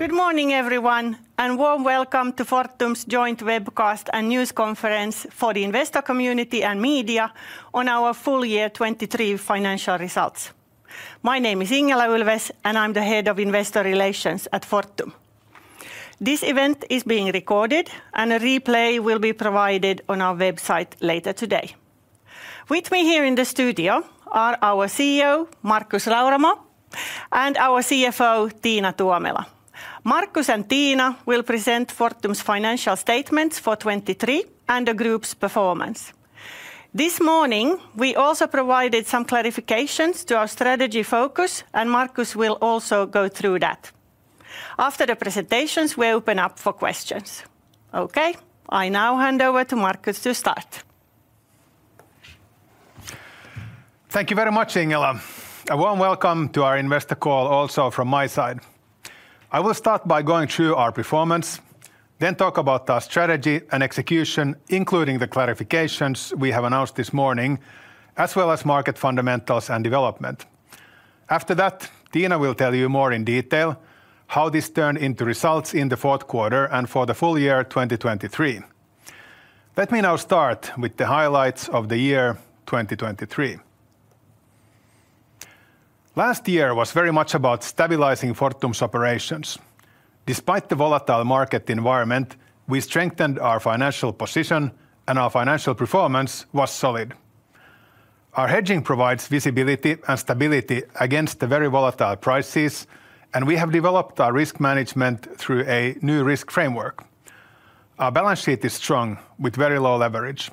Good morning, everyone, and warm welcome to Fortum's joint webcast and news conference for the investor community and media on our full year 2023 financial results. My name is Ingela Ulfves, and I'm the Head of Investor Relations at Fortum. This event is being recorded, and a replay will be provided on our website later today. With me here in the studio are our CEO, Markus Rauramo, and our CFO, Tiina Tuomela. Markus and Tiina will present Fortum's financial statements for 2023 and the group's performance. This morning, we also provided some clarifications to our strategy focus, and Markus will also go through that. After the presentations, we open up for questions. Okay, I now hand over to Markus to start. Thank you very much, Ingela. A warm welcome to our investor call also from my side. I will start by going through our performance, then talk about our strategy and execution, including the clarifications we have announced this morning, as well as market fundamentals and development. After that, Tiina will tell you more in detail how this turned into results in the fourth quarter and for the full year 2023. Let me now start with the highlights of the year 2023. Last year was very much about stabilizing Fortum's operations. Despite the volatile market environment, we strengthened our financial position, and our financial performance was solid. Our hedging provides visibility and stability against the very volatile prices, and we have developed our risk management through a new risk framework. Our balance sheet is strong, with very low leverage.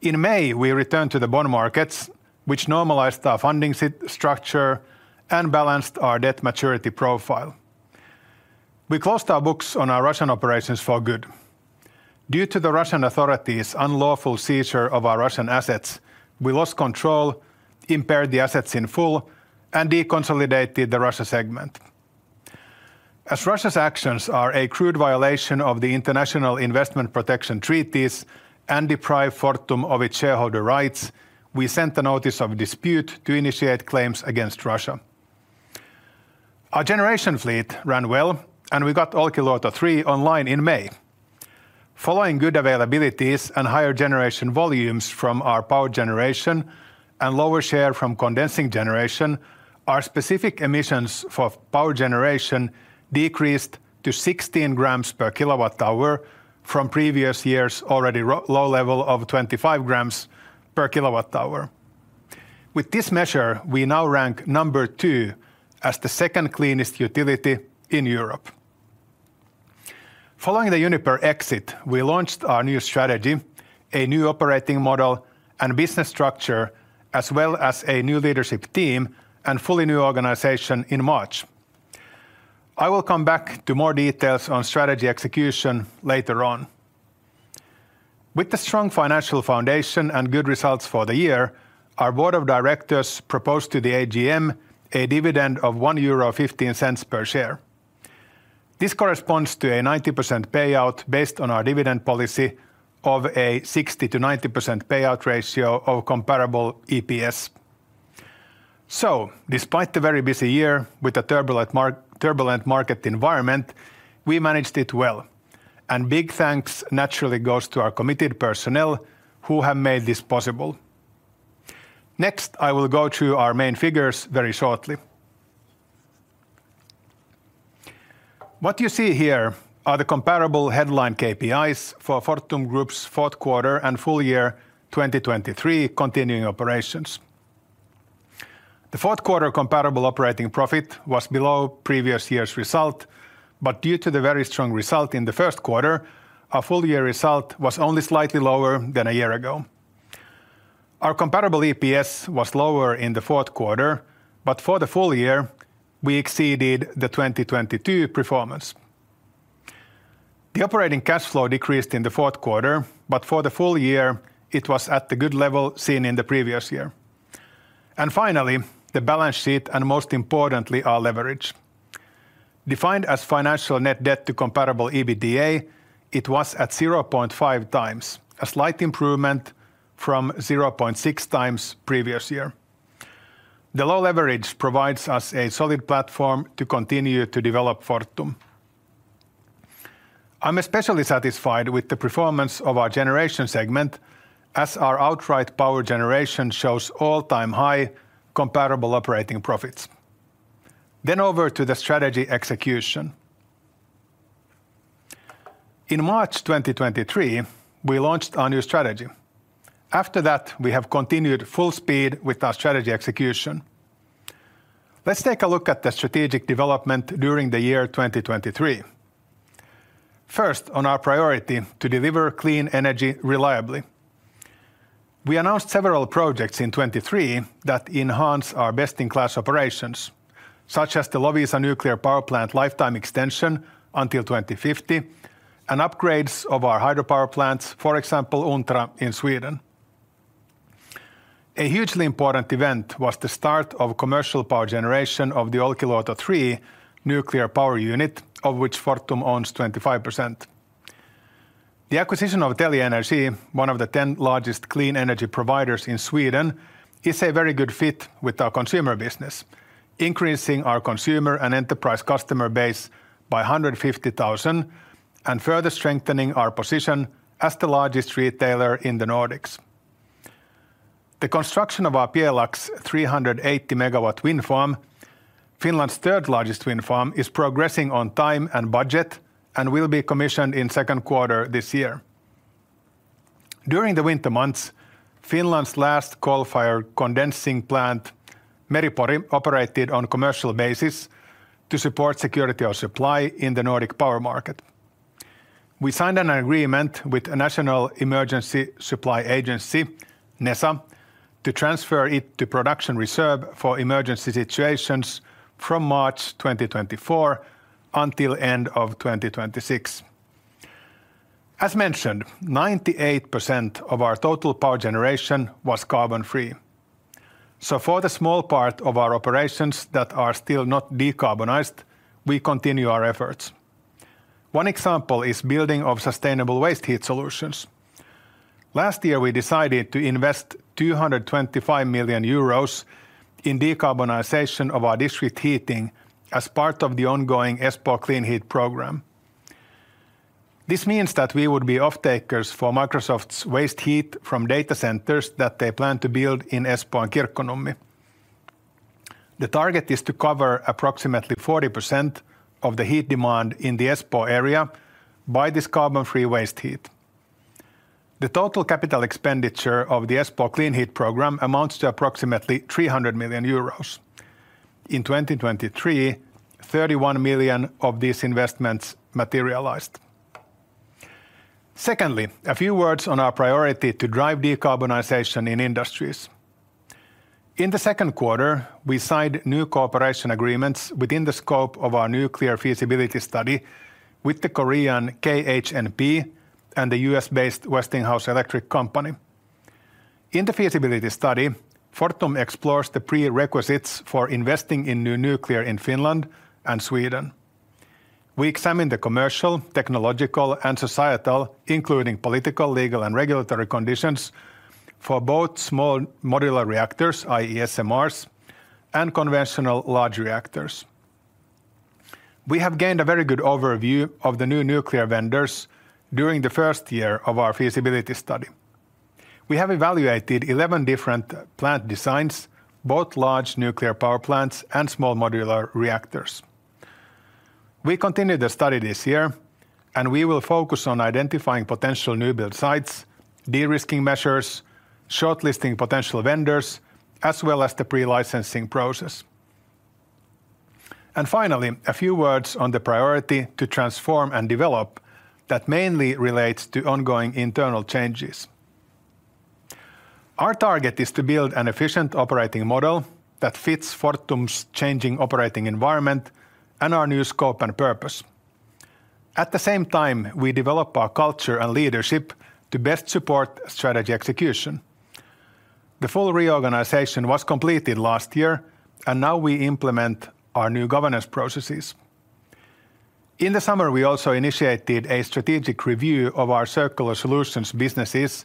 In May, we returned to the bond markets, which normalized our funding structure and balanced our debt maturity profile. We closed our books on our Russian operations for good. Due to the Russian authority's unlawful seizure of our Russian assets, we lost control, impaired the assets in full, and deconsolidated the Russia segment. As Russia's actions are a crude violation of the International Investment Protection treaties and deprive Fortum of its shareholder rights, we sent a notice of dispute to initiate claims against Russia. Our generation fleet ran well, and we got Olkiluoto 3 online in May. Following good availabilities and higher generation volumes from our power generation and lower share from condensing generation, our specific emissions for power generation decreased to 16 g per kWh from previous years' already low level of 25 g per kWh. With this measure, we now rank number two as the second cleanest utility in Europe. Following the Uniper exit, we launched our new strategy, a new operating model and business structure, as well as a new leadership team and fully new organization in March. I will come back to more details on strategy execution later on. With the strong financial foundation and good results for the year, our board of directors proposed to the AGM a dividend of 1.15 euro per share. This corresponds to a 90% payout based on our dividend policy of a 60%-90% payout ratio of comparable EPS. Despite the very busy year with a turbulent market environment, we managed it well, and big thanks naturally goes to our committed personnel, who have made this possible. Next, I will go through our main figures very shortly. What you see here are the comparable headline KPIs for Fortum Group's fourth quarter and full year 2023 continuing operations. The fourth quarter comparable operating profit was below previous year's result, but due to the very strong result in the first quarter, our full-year result was only slightly lower than a year ago. Our comparable EPS was lower in the fourth quarter, but for the full year, we exceeded the 2022 performance. The operating cash flow decreased in the fourth quarter, but for the full year, it was at the good level seen in the previous year. Finally, the balance sheet and, most importantly, our leverage. Defined as financial net debt to comparable EBITDA, it was at 0.5x, a slight improvement from 0.6 times previous year. The low leverage provides us a solid platform to continue to develop Fortum. I'm especially satisfied with the performance of our generation segment, as our outright power generation shows all-time high comparable operating profits. Then over to the strategy execution. In March 2023, we launched our new strategy. After that, we have continued full speed with our strategy execution. Let's take a look at the strategic development during the year 2023. First, on our priority to deliver clean energy reliably. We announced several projects in 2023 that enhance our best-in-class operations, such as the Loviisa Nuclear Power Plant lifetime extension until 2050 and upgrades of our hydropower plants, for example, Untra in Sweden. A hugely important event was the start of commercial power generation of the Olkiluoto 3 nuclear power unit, of which Fortum owns 25%. The acquisition of Telge Energi, one of the 10 largest clean energy providers in Sweden, is a very good fit with our consumer business, increasing our consumer and enterprise customer base by 150,000, and further strengthening our position as the largest retailer in the Nordics. The construction of our Pjelax 380 MW wind farm, Finland's third-largest wind farm, is progressing on time and budget and will be commissioned in second quarter this year. During the winter months, Finland's last coal-fired condensing plant, Meri-Pori, operated on commercial basis to support security of supply in the Nordic power market. We signed an agreement with a National Emergency Supply Agency, NESA, to transfer it to production reserve for emergency situations from March 2024 until end of 2026. As mentioned, 98% of our total power generation was carbon-free. So for the small part of our operations that are still not decarbonized, we continue our efforts. One example is building of sustainable waste heat solutions. Last year, we decided to invest 225 million euros in decarbonization of our district heating as part of the ongoing Espoo Clean Heat program. This means that we would be off-takers for Microsoft's waste heat from data centers that they plan to build in Espoo and Kirkkonummi. The target is to cover approximately 40% of the heat demand in the Espoo area by this carbon-free waste heat. The total capital expenditure of the Espoo Clean Heat program amounts to approximately 300 million euros. In 2023, 31 million of these investments materialized. Secondly, a few words on our priority to drive decarbonization in industries. In the second quarter, we signed new cooperation agreements within the scope of our new nuclear feasibility study with the Korean KHNP and the US-based Westinghouse Electric Company. In the feasibility study, Fortum explores the prerequisites for investing in new nuclear in Finland and Sweden. We examine the commercial, technological, and societal, including political, legal, and regulatory conditions, for both Small Modular Reactors, i.e., SMRs, and conventional large reactors. We have gained a very good overview of the new nuclear vendors during the first year of our feasibility study. We have evaluated 11 different plant designs, both large nuclear power plants and small modular reactors. We continue the study this year, and we will focus on identifying potential new build sites, de-risking measures, shortlisting potential vendors, as well as the pre-licensing process. And finally, a few words on the priority to transform and develop that mainly relates to ongoing internal changes. Our target is to build an efficient operating model that fits Fortum's changing operating environment and our new scope and purpose. At the same time, we develop our culture and leadership to best support strategy execution. The full reorganization was completed last year, and now we implement our new governance processes. In the summer, we also initiated a strategic review of our circular solutions businesses,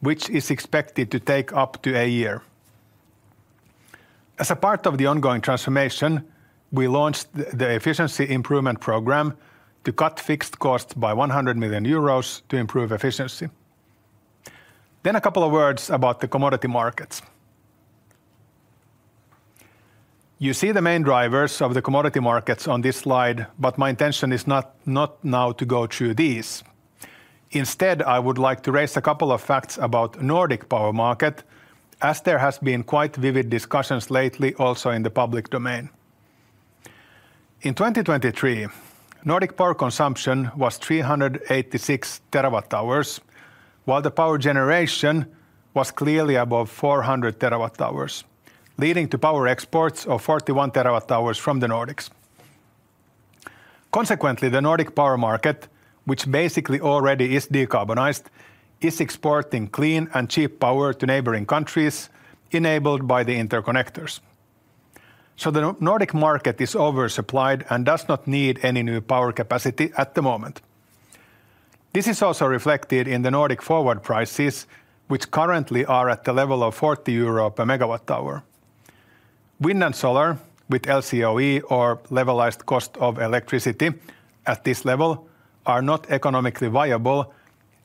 which is expected to take up to a year. As a part of the ongoing transformation, we launched the efficiency improvement program to cut fixed costs by 100 million euros to improve efficiency. Then a couple of words about the commodity markets. You see the main drivers of the commodity markets on this slide, but my intention is not, not now to go through these. Instead, I would like to raise a couple of facts about Nordic power market, as there has been quite vivid discussions lately, also in the public domain. In 2023, Nordic power consumption was 386 TWh, while the power generation was clearly above 400 TWh, leading to power exports of 41 TWh from the Nordics. Consequently, the Nordic power market, which basically already is decarbonized, is exporting clean and cheap power to neighboring countries, enabled by the interconnectors. So the Nordic market is oversupplied and does not need any new power capacity at the moment. This is also reflected in the Nordic forward prices, which currently are at the level of 40 euro per MWh. Wind and solar, with LCOE or levelized cost of electricity at this level, are not economically viable,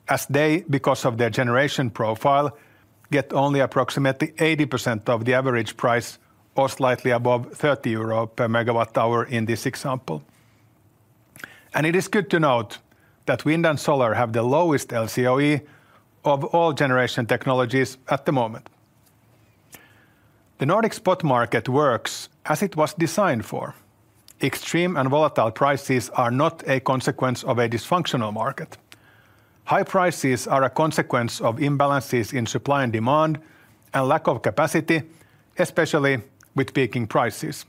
as they, because of their generation profile, get only approximately 80% of the average price or slightly above 30 euro per MWh in this example. It is good to note that wind and solar have the lowest LCOE of all generation technologies at the moment. The Nordic spot market works as it was designed for. Extreme and volatile prices are not a consequence of a dysfunctional market. High prices are a consequence of imbalances in supply and demand and lack of capacity, especially with peaking prices.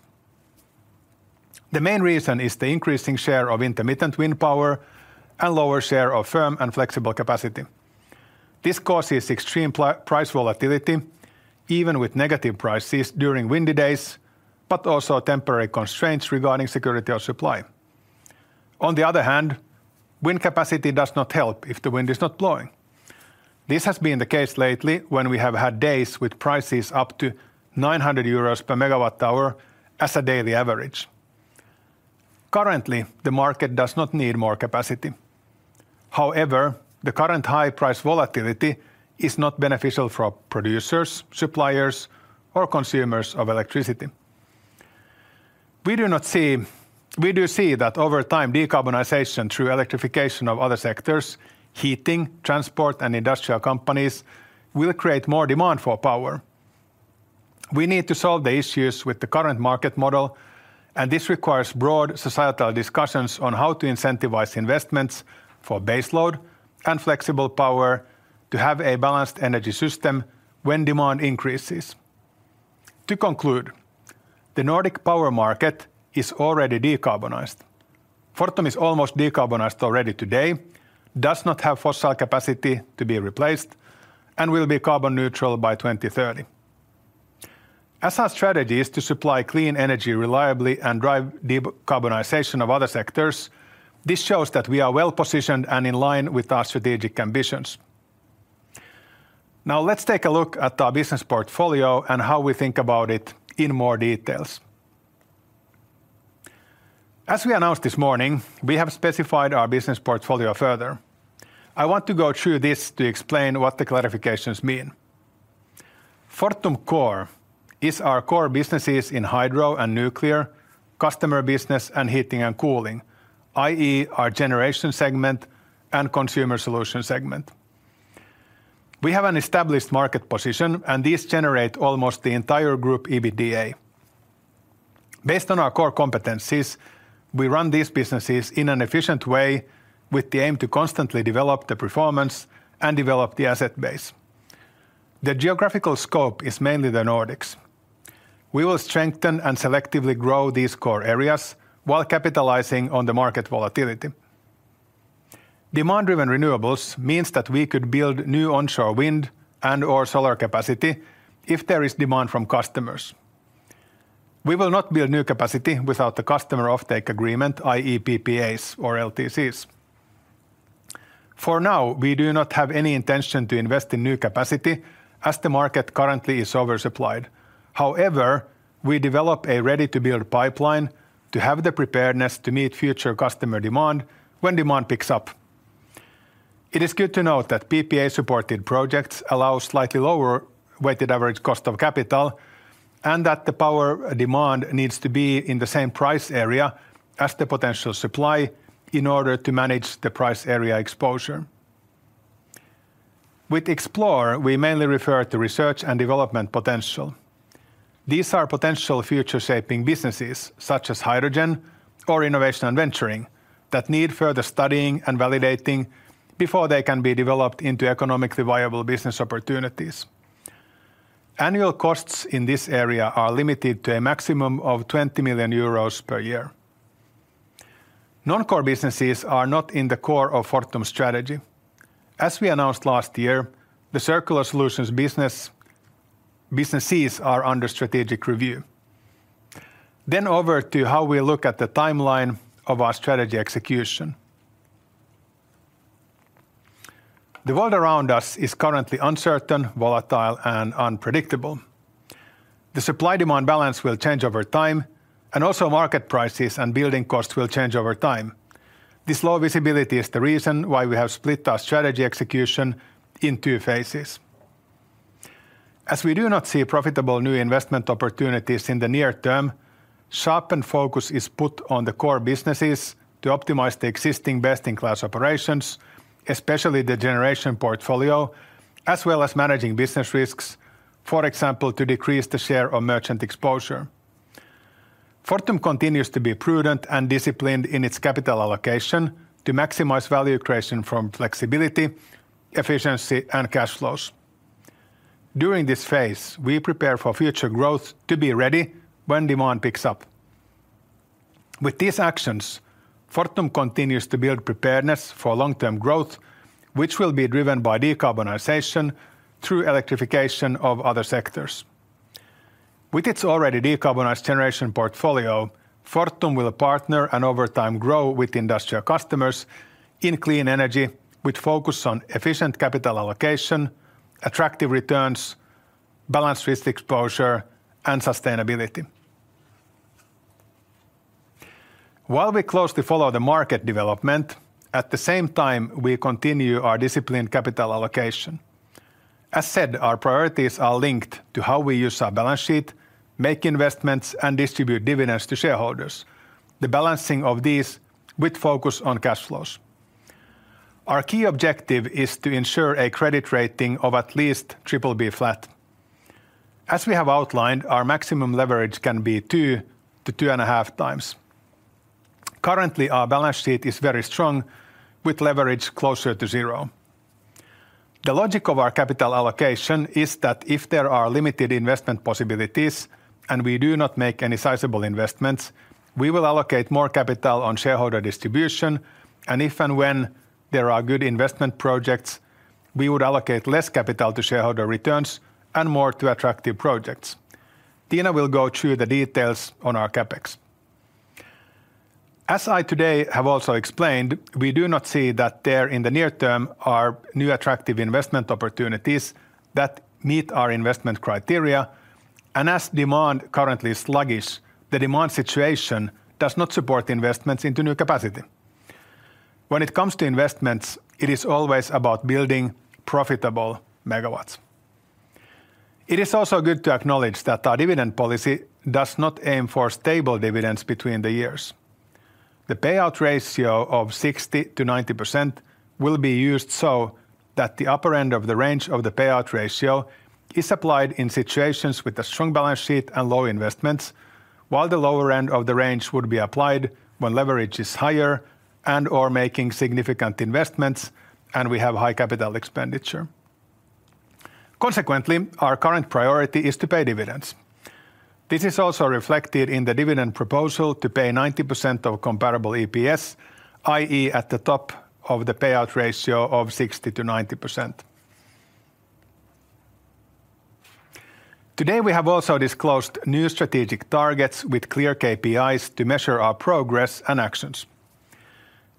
The main reason is the increasing share of intermittent wind power and lower share of firm and flexible capacity. This causes extreme price volatility, even with negative prices during windy days, but also temporary constraints regarding security of supply. On the other hand, wind capacity does not help if the wind is not blowing. This has been the case lately when we have had days with prices up to 900 euros per MWh as a daily average. Currently, the market does not need more capacity. However, the current high price volatility is not beneficial for producers, suppliers, or consumers of electricity. We do not see-- We do see that over time, decarbonization through electrification of other sectors, heating, transport, and industrial companies, will create more demand for power. We need to solve the issues with the current market model, and this requires broad societal discussions on how to incentivize investments for base load and flexible power to have a balanced energy system when demand increases. To conclude, the Nordic power market is already decarbonized. Fortum is almost decarbonized already today, does not have fossil capacity to be replaced, and will be carbon neutral by 2030. As our strategy is to supply clean energy reliably and drive decarbonization of other sectors, this shows that we are well-positioned and in line with our strategic ambitions. Now, let's take a look at our business portfolio and how we think about it in more details. As we announced this morning, we have specified our business portfolio further. I want to go through this to explain what the clarifications mean. Fortum Core is our core businesses in hydro and nuclear, customer business, and heating and cooling, i.e., our generation segment and consumer solutions segment. We have an established market position, and these generate almost the entire group EBITDA. Based on our core competencies, we run these businesses in an efficient way, with the aim to constantly develop the performance and develop the asset base. The geographical scope is mainly the Nordics. We will strengthen and selectively grow these core areas while capitalizing on the market volatility. Demand-driven renewables means that we could build new onshore wind and/or solar capacity if there is demand from customers. We will not build new capacity without the customer offtake agreement, i.e., PPAs or LTCs. For now, we do not have any intention to invest in new capacity as the market currently is oversupplied. However, we develop a ready-to-build pipeline to have the preparedness to meet future customer demand when demand picks up. It is good to note that PPA-supported projects allow slightly lower weighted average cost of capital, and that the power demand needs to be in the same price area as the potential supply in order to manage the price area exposure. With Explore, we mainly refer to research and development potential. These are potential future-shaping businesses, such as hydrogen or innovation and venturing, that need further studying and validating before they can be developed into economically viable business opportunities. Annual costs in this area are limited to a maximum of 20 million euros per year. Non-core businesses are not in the core of Fortum's strategy. As we announced last year, the Circular Solutions business. Businesses are under strategic review. Then over to how we look at the timeline of our strategy execution. The world around us is currently uncertain, volatile, and unpredictable. The supply-demand balance will change over time, and also market prices and building costs will change over time. This low visibility is the reason why we have split our strategy execution in two phases. As we do not see profitable new investment opportunities in the near term, sharpened focus is put on the core businesses to optimize the existing best-in-class operations, especially the generation portfolio, as well as managing business risks, for example, to decrease the share of merchant exposure. Fortum continues to be prudent and disciplined in its capital allocation to maximize value creation from flexibility, efficiency, and cash flows. During this phase, we prepare for future growth to be ready when demand picks up. With these actions, Fortum continues to build preparedness for long-term growth, which will be driven by decarbonization through electrification of other sectors. With its already decarbonized generation portfolio, Fortum will partner and over time grow with industrial customers in clean energy, with focus on efficient capital allocation, attractive returns, balanced risk exposure, and sustainability. While we closely follow the market development, at the same time, we continue our disciplined capital allocation. As said, our priorities are linked to how we use our balance sheet, make investments, and distribute dividends to shareholders, the balancing of these with focus on cash flows. Our key objective is to ensure a credit rating of at least BBB flat. As we have outlined, our maximum leverage can be 2x-2.5x. Currently, our balance sheet is very strong, with leverage closer to zero. The logic of our capital allocation is that if there are limited investment possibilities and we do not make any sizable investments, we will allocate more capital on shareholder distribution, and if and when there are good investment projects, we would allocate less capital to shareholder returns and more to attractive projects. Tiina will go through the details on our CapEx. As I today have also explained, we do not see that there in the near term are new attractive investment opportunities that meet our investment criteria, and as demand currently is sluggish, the demand situation does not support investments into new capacity. When it comes to investments, it is always about building profitable megawatts. It is also good to acknowledge that our dividend policy does not aim for stable dividends between the years. The payout ratio of 60%-90% will be used so that the upper end of the range of the payout ratio is applied in situations with a strong balance sheet and low investments, while the lower end of the range would be applied when leverage is higher and/or making significant investments, and we have high capital expenditure. Consequently, our current priority is to pay dividends. This is also reflected in the dividend proposal to pay 90% of comparable EPS, i.e., at the top of the payout ratio of 60%-90%. Today, we have also disclosed new strategic targets with clear KPIs to measure our progress and actions.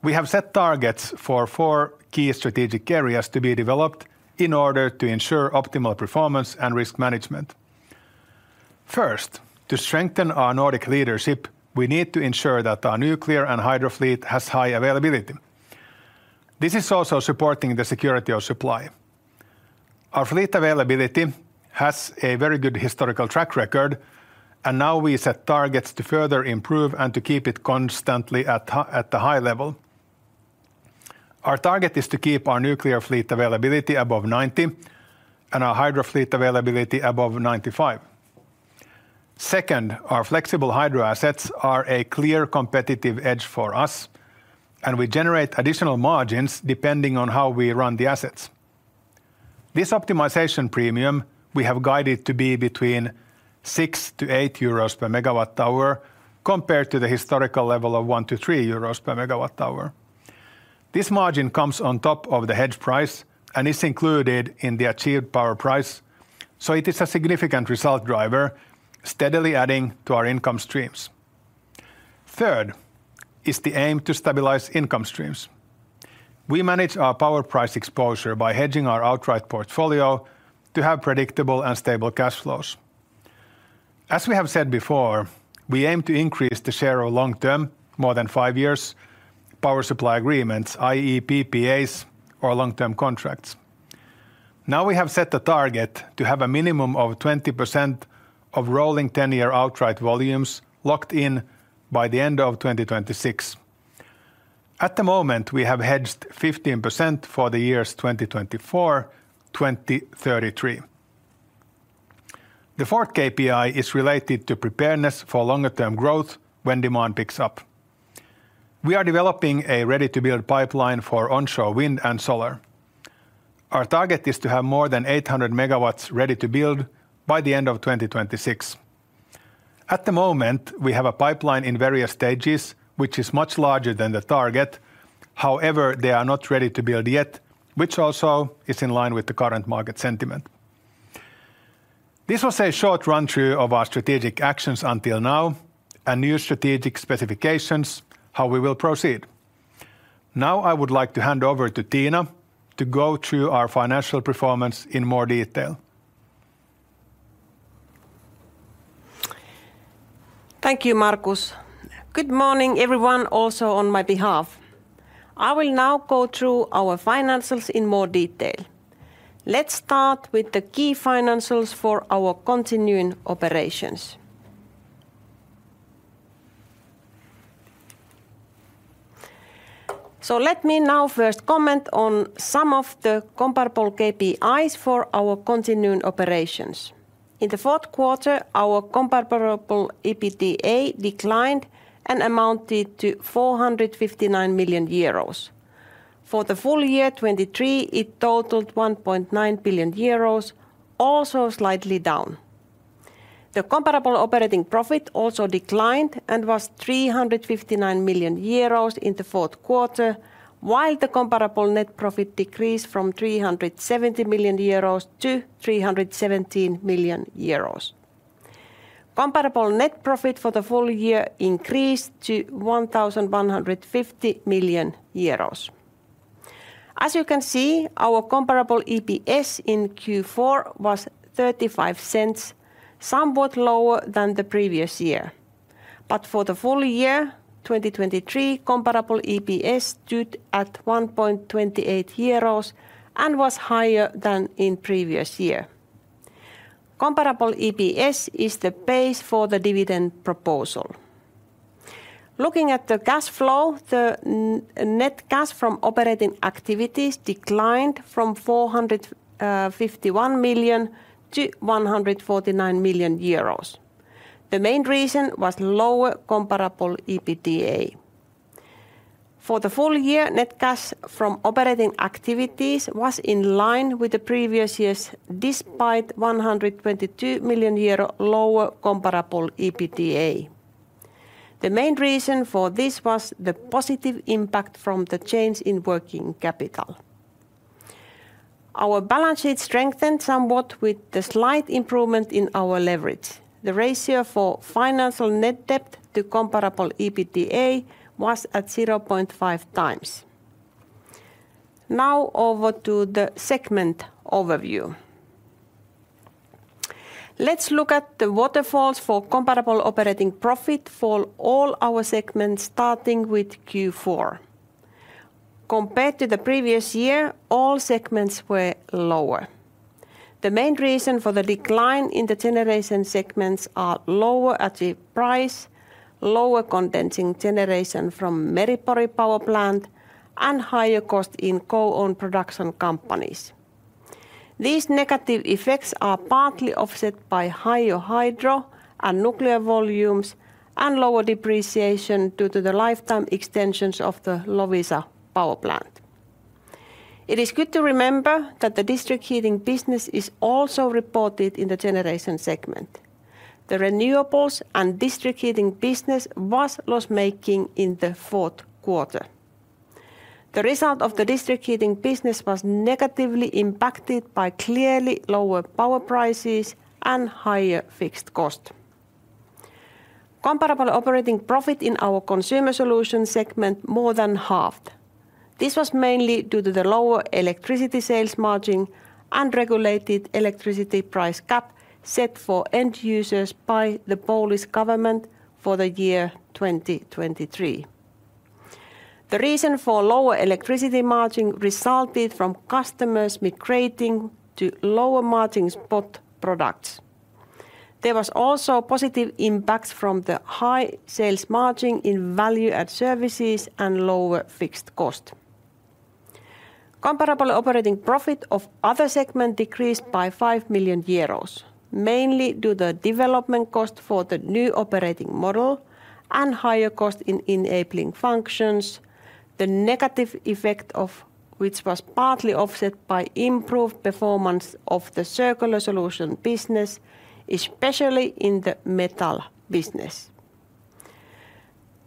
We have set targets for four key strategic areas to be developed in order to ensure optimal performance and risk management. First, to strengthen our Nordic leadership, we need to ensure that our nuclear and hydro fleet has high availability. This is also supporting the security of supply. Our fleet availability has a very good historical track record, and now we set targets to further improve and to keep it constantly at the high level. Our target is to keep our nuclear fleet availability above 90 and our hydro fleet availability above 95. Second, our flexible hydro assets are a clear competitive edge for us, and we generate additional margins depending on how we run the assets. This optimization premium we have guided to be between 6-8 euros per MWh, compared to the historical level of 1-3 euros per MWh. This margin comes on top of the hedge price and is included in the achieved power price, so it is a significant result driver, steadily adding to our income streams. Third is the aim to stabilize income streams. We manage our power price exposure by hedging our outright portfolio to have predictable and stable cash flows. As we have said before, we aim to increase the share of long-term, more than five years, power supply agreements, i.e., PPAs or long-term contracts. Now we have set a target to have a minimum of 20% of rolling 10-year outright volumes locked in by the end of 2026. At the moment, we have hedged 15% for the years 2024, 2033. The fourth KPI is related to preparedness for longer term growth when demand picks up. We are developing a ready-to-build pipeline for onshore wind and solar. Our target is to have more than 800 MW ready to build by the end of 2026. At the moment, we have a pipeline in various stages, which is much larger than the target. However, they are not ready to build yet, which also is in line with the current market sentiment. This was a short run-through of our strategic actions until now and new strategic specifications, how we will proceed. Now, I would like to hand over to Tiina to go through our financial performance in more detail. Thank you, Markus. Good morning, everyone, also on my behalf. I will now go through our financials in more detail. Let's start with the key financials for our continuing operations. So let me now first comment on some of the comparable KPIs for our continuing operations. In the fourth quarter, our comparable EBITDA declined and amounted to 459 million euros. For the full year 2023, it totaled 1.9 billion euros, also slightly down. The comparable operating profit also declined and was 359 million euros in the fourth quarter, while the comparable net profit decreased from 370 million euros to 317 million euros. Comparable net profit for the full year increased to 1,150 million euros. As you can see, our comparable EPS in Q4 was 0.35, somewhat lower than the previous year. But for the full year 2023, comparable EPS stood at 1.28 euros and was higher than in previous year. Comparable EPS is the base for the dividend proposal. Looking at the cash flow, the net cash from operating activities declined from 451 million to 149 million euros. The main reason was lower comparable EBITDA. For the full year, net cash from operating activities was in line with the previous years, despite 122 million euro lower comparable EBITDA. The main reason for this was the positive impact from the change in working capital. Our balance sheet strengthened somewhat with the slight improvement in our leverage. The ratio for financial net debt to comparable EBITDA was at 0.5x. Now, over to the segment overview. Let's look at the waterfalls for comparable operating profit for all our segments, starting with Q4. Compared to the previous year, all segments were lower. The main reason for the decline in the generation segments are lower active price, lower condensing generation from Meri-Pori Power Plant, and higher cost in co-owned production companies. These negative effects are partly offset by higher hydro and nuclear volumes, and lower depreciation due to the lifetime extensions of the Loviisa Power Plant. It is good to remember that the district heating business is also reported in the generation segment. The renewables and district heating business was loss-making in the fourth quarter. The result of the district heating business was negatively impacted by clearly lower power prices and higher fixed cost. Comparable operating profit in our consumer solution segment more than halved. This was mainly due to the lower electricity sales margin and regulated electricity price cap set for end users by the Polish government for the year 2023. The reason for lower electricity margin resulted from customers migrating to lower margin spot products. There was also positive impacts from the high sales margin in value-add services and lower fixed cost. Comparable operating profit of other segment decreased by 5 million euros, mainly due to development cost for the new operating model and higher cost in enabling functions, the negative effect of which was partly offset by improved performance of the circular solution business, especially in the metal business.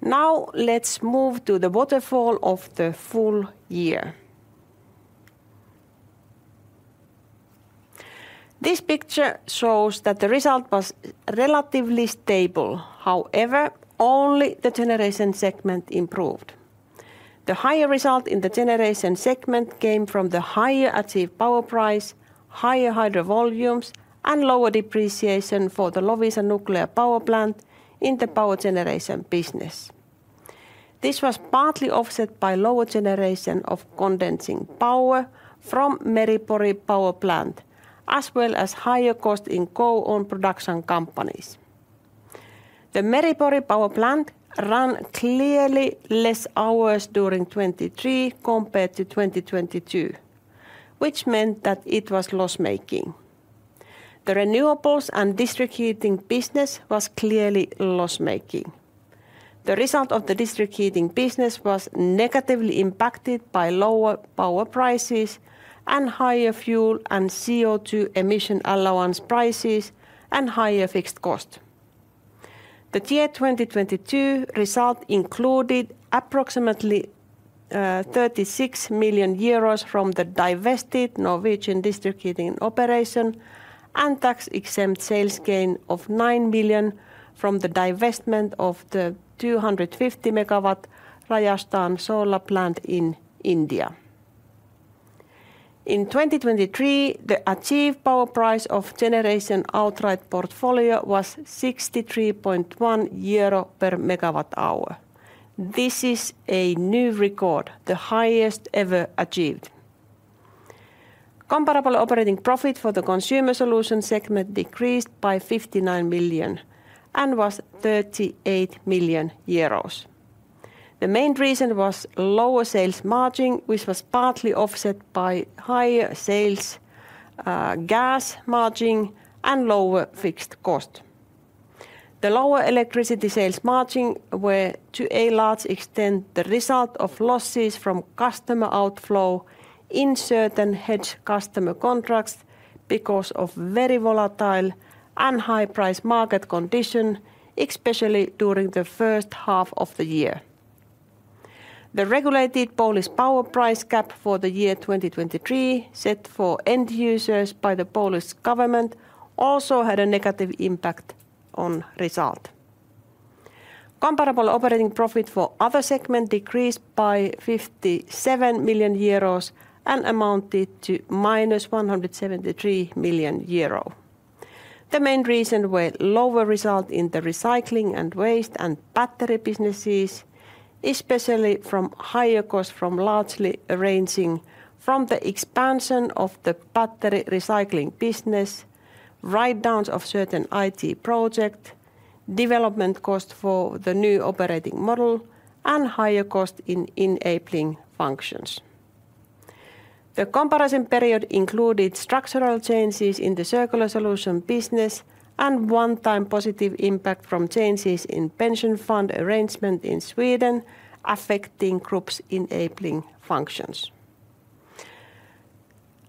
Now, let's move to the waterfall of the full year. This picture shows that the result was relatively stable. However, only the generation segment improved. The higher result in the generation segment came from the higher achieved power price, higher hydro volumes, and lower depreciation for the Loviisa Nuclear Power Plant in the power generation business. This was partly offset by lower generation of condensing power from Meri-Pori Power Plant, as well as higher cost in co-owned production companies. The Meri-Pori Power Plant ran clearly less hours during 2023 compared to 2022, which meant that it was loss-making. The renewables and district heating business was clearly loss-making. The result of the district heating business was negatively impacted by lower power prices, and higher fuel and CO2 emission allowance prices, and higher fixed cost. The year 2022 result included approximately 36 million euros from the divested Norwegian district heating operation, and tax-exempt sales gain of 9 million from the divestment of the 250 MW Rajasthan solar plant in India. In 2023, the achieved power price of generation outright portfolio was 63.1 euro per MWh. This is a new record, the highest ever achieved. Comparable operating profit for the consumer solution segment decreased by 59 million and was 38 million euros. The main reason was lower sales margin, which was partly offset by higher sales, gas margin, and lower fixed cost. The lower electricity sales margin were, to a large extent, the result of losses from customer outflow in certain hedge customer contracts because of very volatile and high-price market condition, especially during the first half of the year. The regulated Polish power price cap for the year 2023, set for end users by the Polish government, also had a negative impact on result. Comparable operating profit for other segment decreased by 57 million euros and amounted to minus 173 million euros. The main reason were lower result in the recycling, and waste, and battery businesses, especially from higher cost from largely arising from the expansion of the battery recycling business, write-downs of certain IT project, development cost for the new operating model, and higher cost in enabling functions. The comparison period included structural changes in the circular solution business and one-time positive impact from changes in pension fund arrangement in Sweden, affecting group's enabling functions.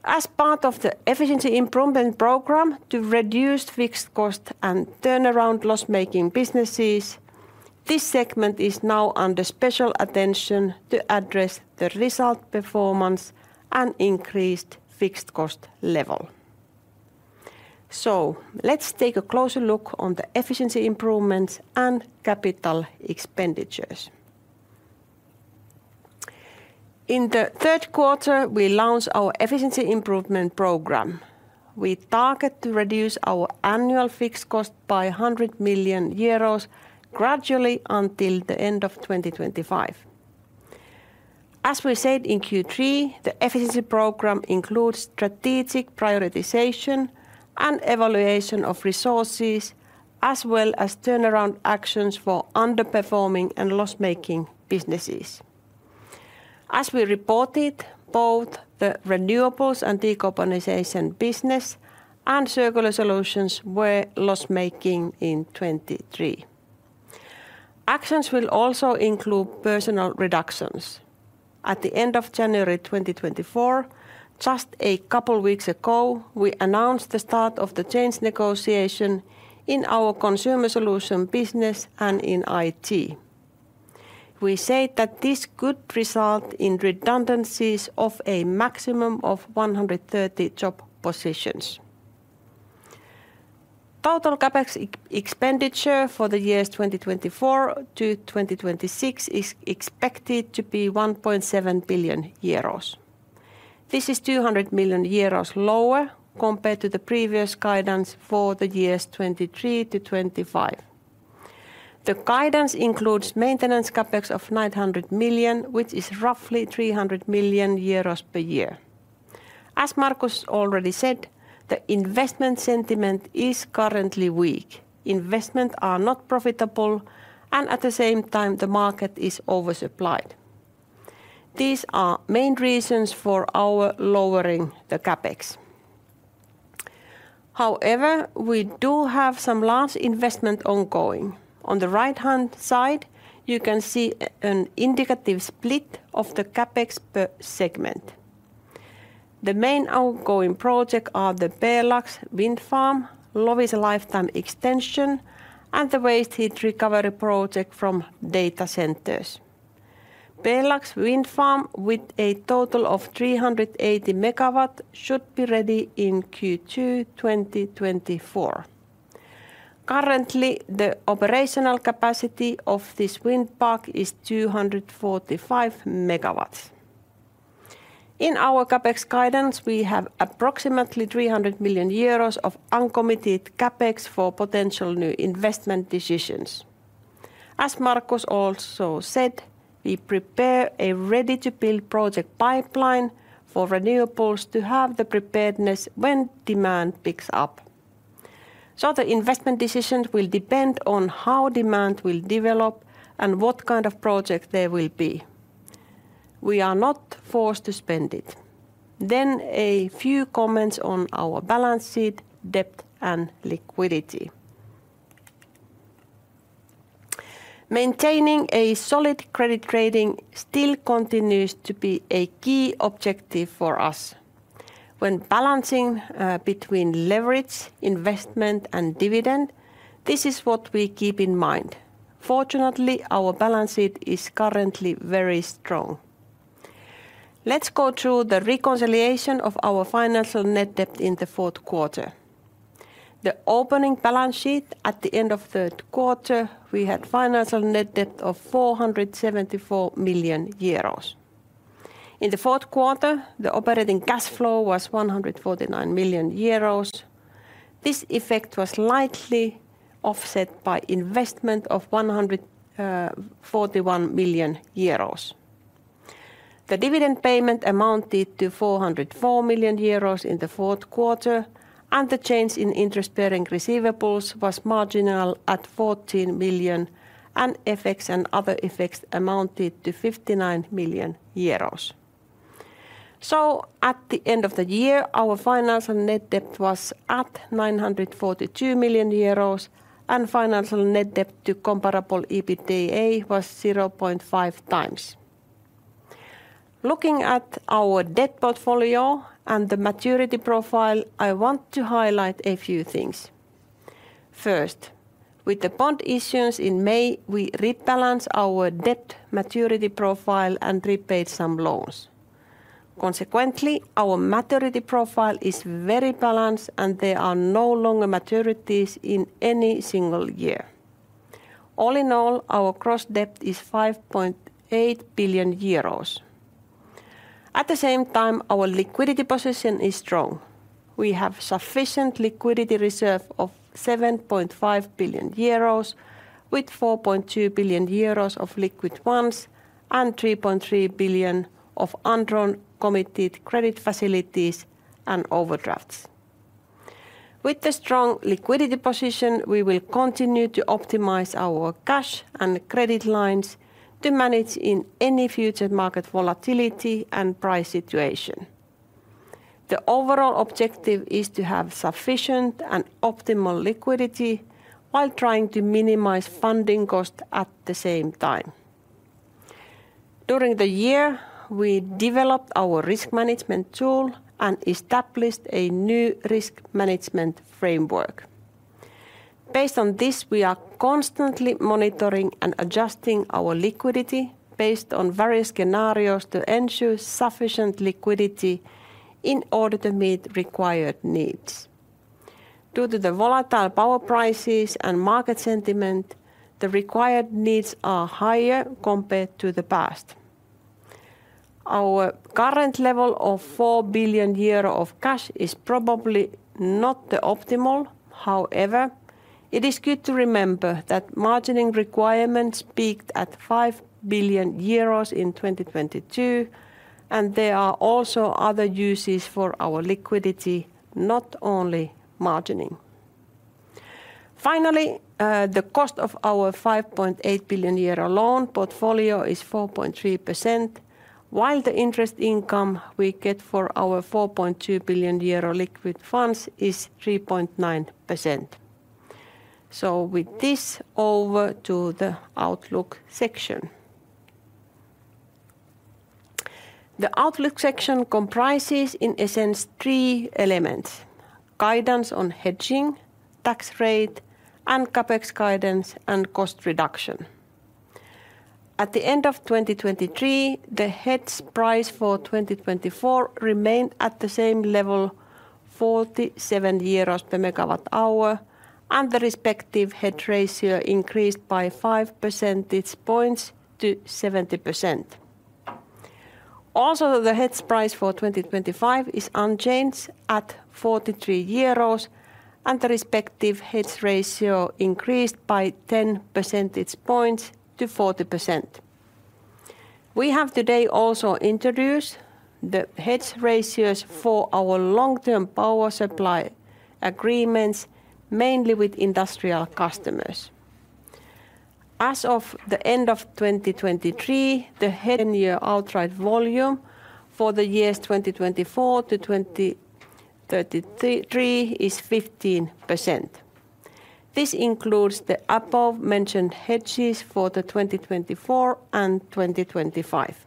As part of the efficiency improvement program to reduce fixed cost and turnaround loss-making businesses, this segment is now under special attention to address the result performance and increased fixed cost level. So let's take a closer look on the efficiency improvements and capital expenditures. In the third quarter, we launched our efficiency improvement program. We target to reduce our annual fixed cost by 100 million euros gradually until the end of 2025. As we said in Q3, the efficiency program includes strategic prioritization and evaluation of resources, as well as turnaround actions for underperforming and loss-making businesses. As we reported, both the renewables and decarbonization business and circular solutions were loss-making in 2023. Actions will also include personnel reductions. At the end of January 2024, just a couple weeks ago, we announced the start of the change negotiation in our consumer solutions business and in IT. We said that this could result in redundancies of a maximum of 130 job positions. Total CapEx expenditure for the years 2024 to 2026 is expected to be 1.7 billion euros. This is 200 million euros lower compared to the previous guidance for the years 2023 to 2025. The guidance includes maintenance CapEx of 900 million, which is roughly 300 million euros per year. As Markus already said, the investment sentiment is currently weak. Investments are not profitable, and at the same time, the market is oversupplied. These are the main reasons for our lowering the CapEx. However, we do have some large investments ongoing. On the right-hand side, you can see an indicative split of the CapEx per segment. The main ongoing projects are the Pjelax Wind Farm, Loviisa lifetime extension, and the waste heat recovery project from data centers. Pjelax Wind Farm, with a total of 380 MW, should be ready in Q2 2024. Currently, the operational capacity of this wind park is 245 MW. In our CapEx guidance, we have approximately 300 million euros of uncommitted CapEx for potential new investment decisions. As Markus also said, we prepare a ready-to-build project pipeline for renewables to have the preparedness when demand picks up. So the investment decisions will depend on how demand will develop and what kind of project there will be. We are not forced to spend it. Then a few comments on our balance sheet, debt, and liquidity. Maintaining a solid credit rating still continues to be a key objective for us. When balancing between leverage, investment, and dividend, this is what we keep in mind. Fortunately, our balance sheet is currently very strong. Let's go through the reconciliation of our financial net debt in the fourth quarter. The opening balance sheet at the end of third quarter, we had financial net debt of 474 million euros. In the fourth quarter, the operating cash flow was 149 million euros. This effect was slightly offset by investment of 141 million euros. The dividend payment amounted to 404 million euros in the fourth quarter, and the change in interest-bearing receivables was marginal at 14 million, and FX and other effects amounted to 59 million euros. So at the end of the year, our financial net debt was at 942 million euros, and financial net debt to comparable EBITDA was 0.5x. Looking at our debt portfolio and the maturity profile, I want to highlight a few things. First, with the bond issuance in May, we rebalance our debt maturity profile and repaid some loans. Consequently, our maturity profile is very balanced, and there are no longer maturities in any single year. All in all, our gross debt is 5.8 billion euros. At the same time, our liquidity position is strong. We have sufficient liquidity reserve of 7.5 billion euros, with 4.2 billion euros of liquid ones and 3.3 billion of undrawn committed credit facilities and overdrafts. With the strong liquidity position, we will continue to optimize our cash and credit lines to manage in any future market volatility and price situation. The overall objective is to have sufficient and optimal liquidity while trying to minimize funding cost at the same time. During the year, we developed our risk management tool and established a new risk management framework. Based on this, we are constantly monitoring and adjusting our liquidity based on various scenarios to ensure sufficient liquidity in order to meet required needs. Due to the volatile power prices and market sentiment, the required needs are higher compared to the past. Our current level of 4 billion euros of cash is probably not the optimal. However, it is good to remember that margining requirements peaked at 5 billion euros in 2022, and there are also other uses for our liquidity, not only margining. Finally, the cost of our 5.8 billion euro loan portfolio is 4.3%, while the interest income we get for our 4.2 billion euro liquid funds is 3.9%. So with this, over to the outlook section. The outlook section comprises, in essence, three elements: guidance on hedging, tax rate, and CapEx guidance and cost reduction. At the end of 2023, the hedge price for 2024 remained at the same level, 47 per MWh, and the respective hedge ratio increased by five percentage points to 70%. Also, the hedge price for 2025 is unchanged at 43 euros, and the respective hedge ratio increased by 10 percentage points to 40%. We have today also introduced the hedge ratios for our long-term power supply agreements, mainly with industrial customers. As of the end of 2023, the hedge year outright volume for the years 2024 to 2033 is 15%. This includes the above-mentioned hedges for the 2024 and 2025.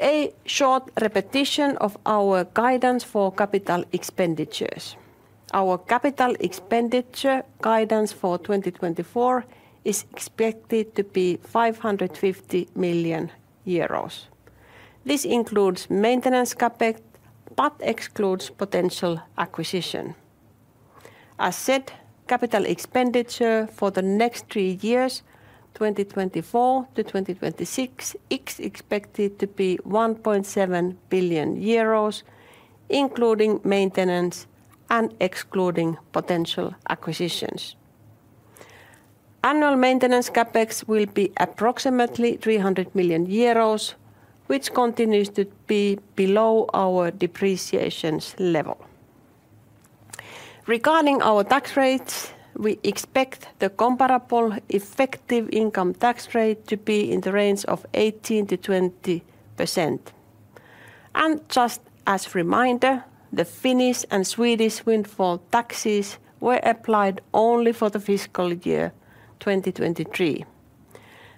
A short repetition of our guidance for capital expenditures. Our capital expenditure guidance for 2024 is expected to be 550 million euros. This includes maintenance CapEx, but excludes potential acquisition. As said, capital expenditure for the next three years, 2024 to 2026, is expected to be 1.7 billion euros, including maintenance and excluding potential acquisitions. Annual maintenance CapEx will be approximately 300 million euros, which continues to be below our depreciation level. Regarding our tax rates, we expect the comparable effective income tax rate to be in the range of 18%-20%. Just a reminder, the Finnish and Swedish windfall taxes were applied only for the fiscal year, 2023.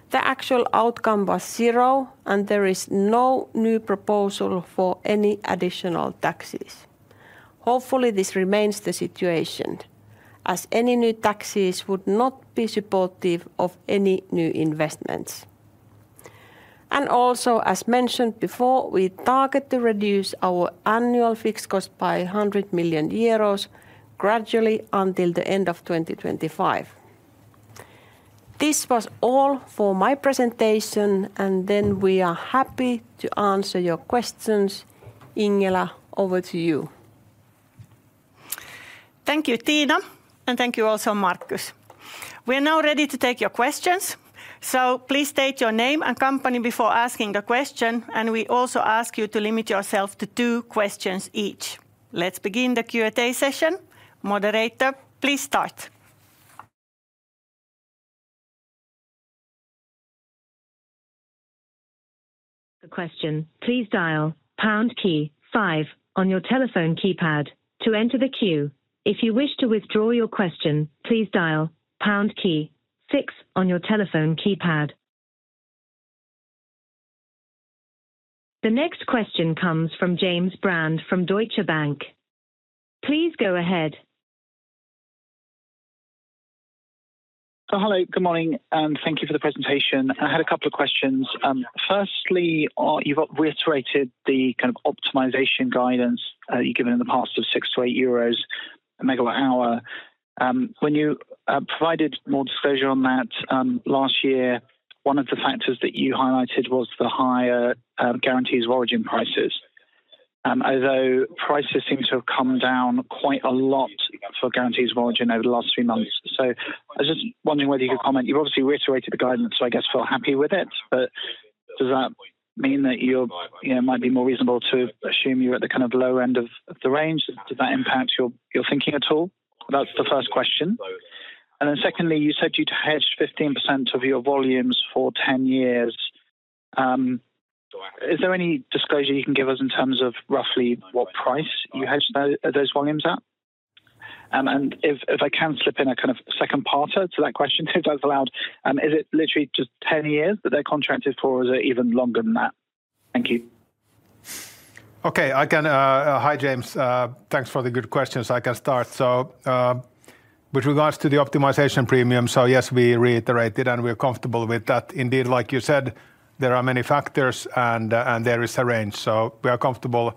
The actual outcome was zero, and there is no new proposal for any additional taxes. Hopefully, this remains the situation, as any new taxes would not be supportive of any new investments. Also, as mentioned before, we target to reduce our annual fixed cost by 100 million euros gradually until the end of 2025. This was all for my presentation, and then we are happy to answer your questions. Ingela, over to you. Thank you, Tiina, and thank you also, Markus. We are now ready to take your questions, so please state your name and company before asking a question, and we also ask you to limit yourself to two questions each. Let's begin the Q&A session. Moderator, please start. The question, please dial pound key five on your telephone keypad to enter the queue. If you wish to withdraw your question, please dial pound key six on your telephone keypad. The next question comes from James Brand, from Deutsche Bank. Please go ahead. So hello, good morning, and thank you for the presentation. I had a couple of questions. Firstly, you've reiterated the kind of optimization guidance you've given in the past of 6-8 euros per MWh. When you provided more disclosure on that last year, one of the factors that you highlighted was the higher Guarantees of Origin prices. Although prices seem to have come down quite a lot for Guarantees of Origin over the last three months, so I was just wondering whether you could comment. You've obviously reiterated the guidance, so I guess feel happy with it, but does that mean that you're, you know, might be more reasonable to assume you're at the kind of low end of, of the range? Does that impact your, your thinking at all? That's the first question. And then secondly, you said you'd hedged 15% of your volumes for 10 years. Is there any disclosure you can give us in terms of roughly what price you hedged those volumes at?... And if I can slip in a kind of second parter to that question, if that's allowed? Is it literally just 10 years that they're contracted for, or is it even longer than that? Thank you. Okay, I can... Hi, James. Thanks for the good questions. I can start. So, with regards to the optimization premium, so, yes, we reiterated, and we're comfortable with that. Indeed, like you said, there are many factors, and there is a range. So we are comfortable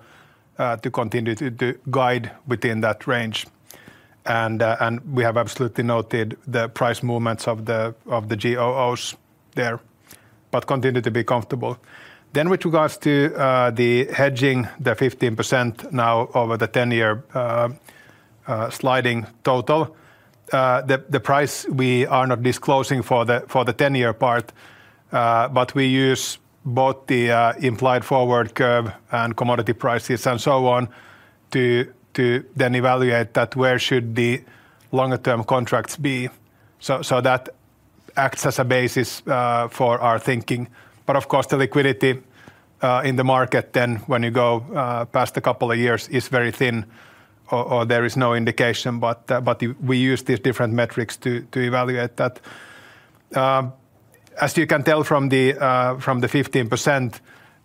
to continue to guide within that range. And we have absolutely noted the price movements of the GOOs there, but continue to be comfortable. Then with regards to the hedging, the 15% now over the ten-year sliding total, the price we are not disclosing for the ten-year part. But we use both the implied forward curve and commodity prices, and so on, to then evaluate that where should the longer-term contracts be. So that acts as a basis for our thinking. But of course, the liquidity in the market then, when you go past a couple of years, is very thin or there is no indication. But we use these different metrics to evaluate that. As you can tell from the 15%,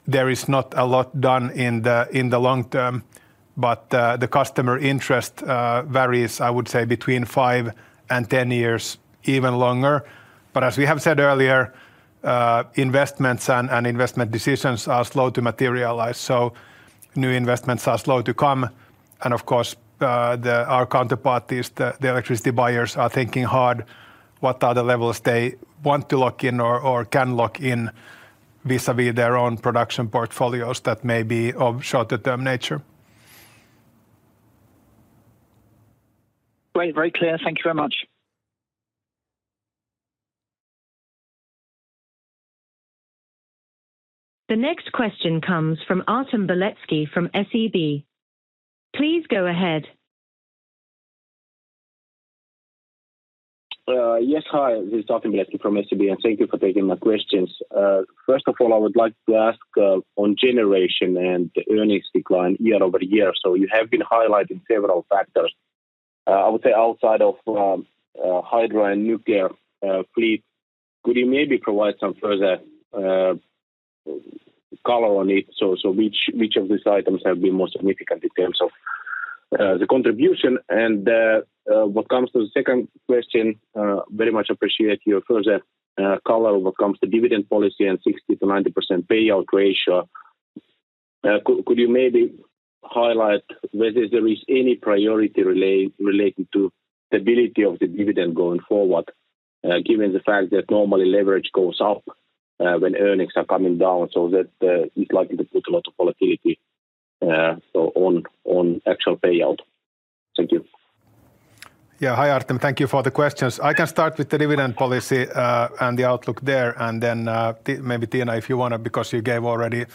there is not a lot done in the long term, but the customer interest varies, I would say, between five and 10 years, even longer. But as we have said earlier, investments and investment decisions are slow to materialize, so new investments are slow to come. And of course, the... Our counterparties, the electricity buyers, are thinking hard, what are the levels they want to lock in or can lock in vis-à-vis their own production portfolios that may be of shorter-term nature. Great. Very clear. Thank you very much. The next question comes from Artem Beletski from SEB. Please go ahead. Yes, hi. This is Artem Beletski from SEB, and thank you for taking my questions. First of all, I would like to ask on generation and earnings decline year-over-year. So you have been highlighting several factors. I would say outside of hydro and nuclear fleet, could you maybe provide some further color on it? So which of these items have been more significant in terms of the contribution? And what comes to the second question, very much appreciate your further color when it comes to dividend policy and 60%-90% payout ratio. Could you maybe highlight whether there is any priority relating to stability of the dividend going forward, given the fact that normally leverage goes up when earnings are coming down, so that is likely to put a lot of volatility so on actual payout? Thank you. Yeah. Hi, Artem. Thank you for the questions. I can start with the dividend policy and the outlook there, and then maybe Tiina, if you want to, because you gave already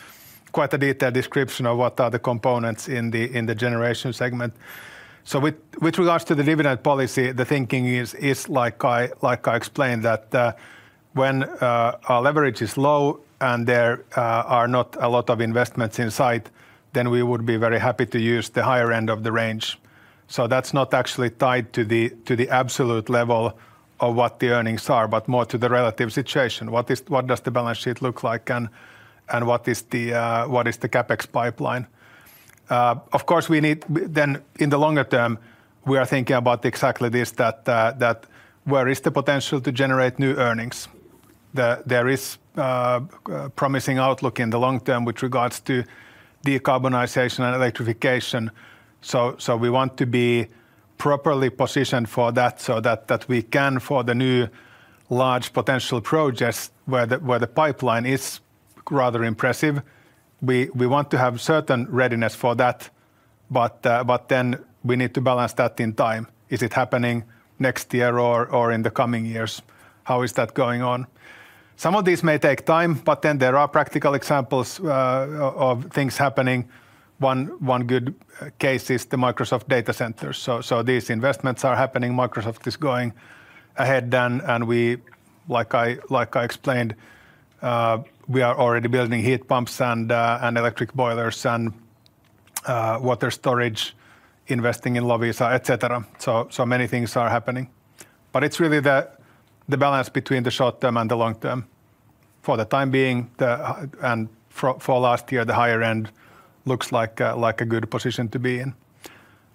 quite a detailed description of what are the components in the generation segment. So with regards to the dividend policy, the thinking is like I explained, that when our leverage is low and there are not a lot of investments in sight, then we would be very happy to use the higher end of the range. So that's not actually tied to the absolute level of what the earnings are, but more to the relative situation. What does the balance sheet look like, and what is the CapEx pipeline? Of course, we need... Then in the longer term, we are thinking about exactly this, that where is the potential to generate new earnings? There is promising outlook in the long term with regards to decarbonization and electrification, so we want to be properly positioned for that, so that we can for the new large potential projects where the pipeline is rather impressive. We want to have certain readiness for that, but then we need to balance that in time. Is it happening next year or in the coming years? How is that going on? Some of these may take time, but then there are practical examples of things happening. One good case is the Microsoft data centers. So these investments are happening. Microsoft is going ahead, and, and we, like I, like I explained, we are already building heat pumps and, and electric boilers, and, water storage, investing in Loviisa, et cetera. So, so many things are happening. But it's really the, the balance between the short term and the long term. For the time being, the, and for, for last year, the higher end looks like a, like a good position to be in.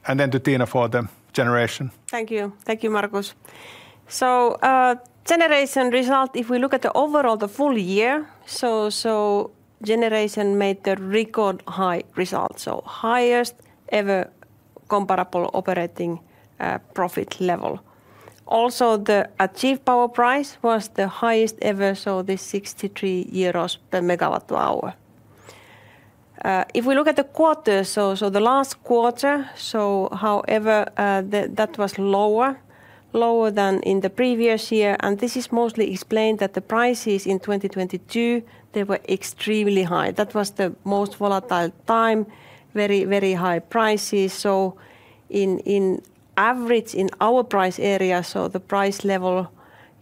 And then to Tiina for the generation. Thank you. Thank you, Markus. So, generation result, if we look at the overall, the full year, so generation made a record-high result, so highest ever comparable operating profit level. Also, the achieved power price was the highest ever, so this 63 euros per MWh. If we look at the quarter, so the last quarter, so however, that was lower than in the previous year, and this is mostly explained that the prices in 2022, they were extremely high. That was the most volatile time, very, very high prices. So in average, in our price area, so the price level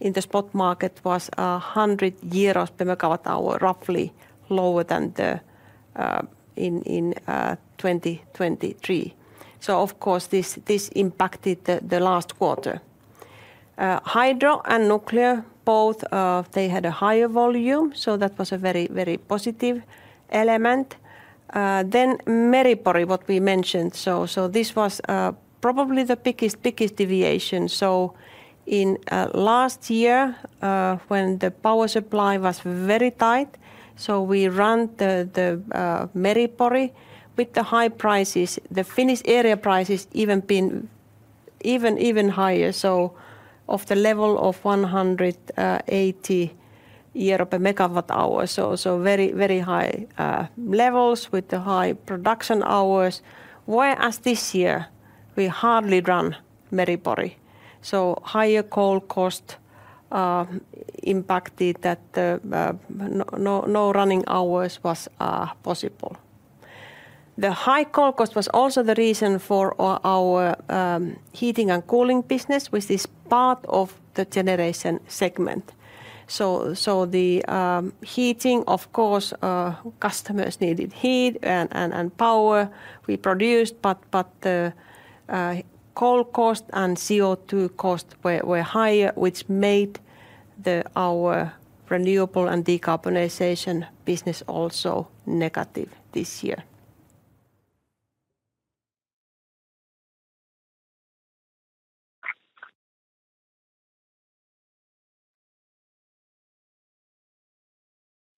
in the spot market was 100 euros per MWh, roughly lower than in 2023. So, of course, this impacted the last quarter. Hydro and nuclear, both, they had a higher volume, so that was a very, very positive element. Then Meri-Pori, what we mentioned. So this was probably the biggest deviation. So in last year, when the power supply was very tight, so we ran the Meri-Pori with the high prices. The Finnish area prices even been even, even higher, so of the level of 180 per MWh. So very, very high levels with the high production hours. Whereas this year, we hardly run Meri-Pori, so higher coal cost impacted that, no running hours was possible. The high coal cost was also the reason for our heating and cooling business, which is part of the generation segment. So, the heating, of course, customers needed heat and power. We produced, but the coal cost and CO2 cost were higher, which made our renewable and decarbonization business also negative this year.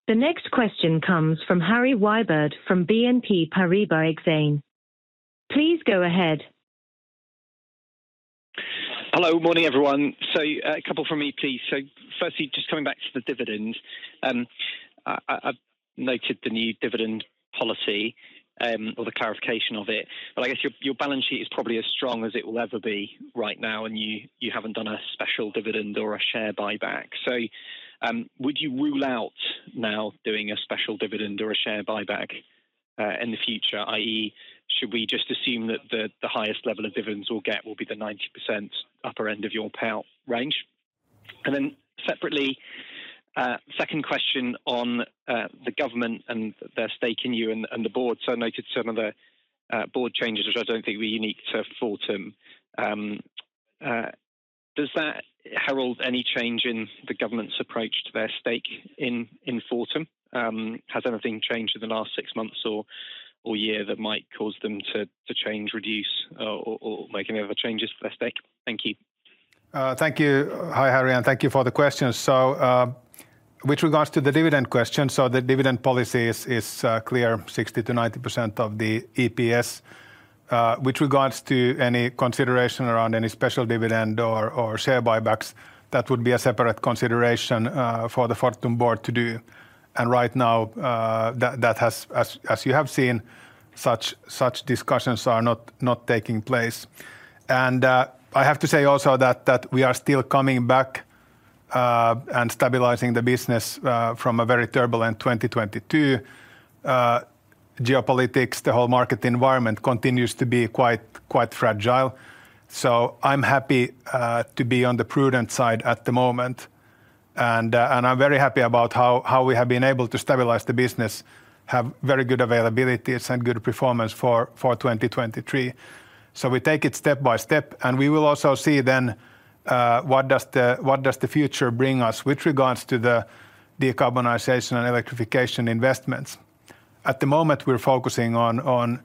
The next question comes from Harry Wyburd from BNP Paribas Exane. Please go ahead. Hello, morning, everyone. So, a couple from me, please. So firstly, just coming back to the dividend. I've noted the new dividend policy, or the clarification of it, but I guess your balance sheet is probably as strong as it will ever be right now, and you haven't done a special dividend or a share buyback. So, would you rule out now doing a special dividend or a share buyback, in the future, i.e., should we just assume that the highest level of dividends we'll get will be the 90% upper end of your payout range? And then separately, second question on, the government and their stake in you and the board. So I noted some of the board changes, which I don't think were unique to Fortum. Does that herald any change in the government's approach to their stake in Fortum? Has anything changed in the last six months or year that might cause them to change, reduce, or make any other changes for their stake? Thank you. Thank you. Hi, Harry, and thank you for the question. So, with regards to the dividend question, so the dividend policy is, is, clear, 60%-90% of the EPS. With regards to any consideration around any special dividend or, or share buybacks, that would be a separate consideration, for the Fortum board to do. And right now, that, that has... as, as you have seen, such, such discussions are not, not taking place. And, I have to say also that, that we are still coming back, and stabilizing the business, from a very turbulent 2022. Geopolitics, the whole market environment continues to be quite, quite fragile. So I'm happy, to be on the prudent side at the moment. I'm very happy about how we have been able to stabilize the business, have very good availabilities and good performance for 2023. So we take it step by step, and we will also see then what does the future bring us with regards to the decarbonization and electrification investments? At the moment, we're focusing on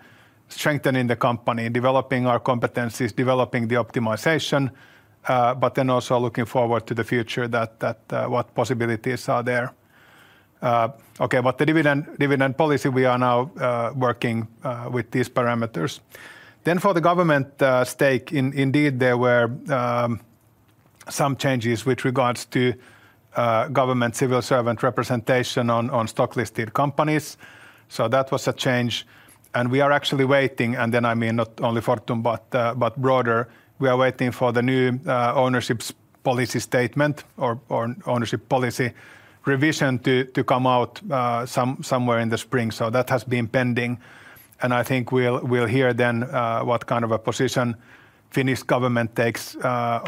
strengthening the company, developing our competencies, developing the optimization, but then also looking forward to the future that what possibilities are there. Okay, but the dividend policy, we are now working with these parameters. Then for the government stake, indeed, there were some changes with regards to government civil servant representation on stock-listed companies. So that was a change, and we are actually waiting, and then, I mean, not only Fortum, but broader. We are waiting for the new ownership policy statement or ownership policy revision to come out somewhere in the spring. So that has been pending, and I think we'll hear then what kind of a position Finnish government takes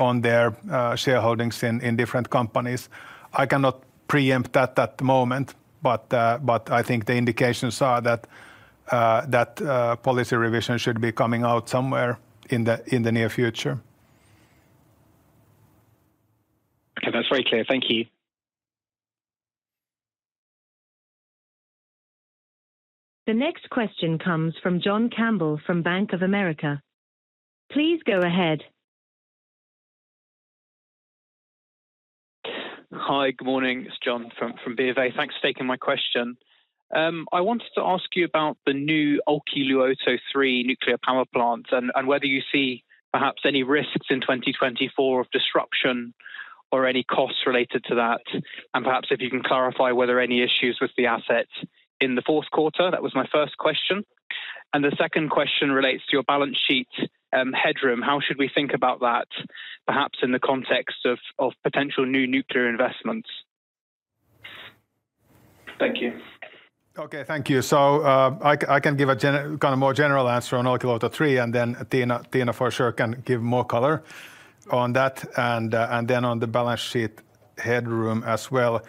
on their shareholdings in different companies. I cannot preempt that at the moment, but I think the indications are that policy revision should be coming out somewhere in the near future. Okay. That's very clear. Thank you. The next question comes from John Campbell from Bank of America. Please go ahead. Hi, good morning. It's John from BofA. Thanks for taking my question. I wanted to ask you about the new Olkiluoto 3 nuclear power plant and whether you see perhaps any risks in 2024 of disruption or any costs related to that, and perhaps if you can clarify whether any issues with the asset in the fourth quarter. That was my first question. The second question relates to your balance sheet headroom. How should we think about that, perhaps in the context of potential new nuclear investments? Thank you. Okay, thank you. So, I can give a kind of more general answer on Olkiluoto 3, and then Tiina, Tiina, for sure, can give more color on that, and then on the balance sheet headroom as well.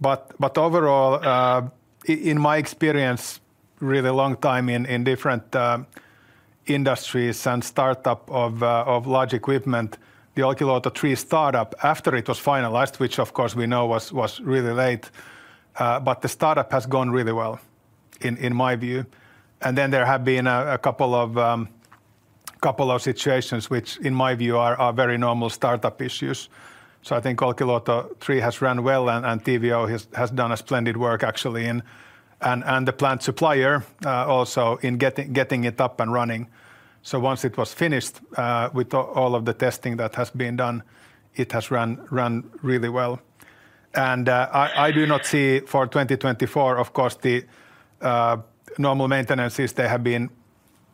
But overall, in my experience, really long time in different industries and startup of large equipment, the Olkiluoto 3 startup, after it was finalized, which of course we know was really late, but the startup has gone really well, in my view. And then there have been a couple of situations, which in my view are very normal startup issues. So I think Olkiluoto 3 has ran well and TVO has done a splendid work actually, and the plant supplier also in getting it up and running. So once it was finished, with all of the testing that has been done, it has run really well. And I do not see for 2024, of course, the normal maintenances; they have been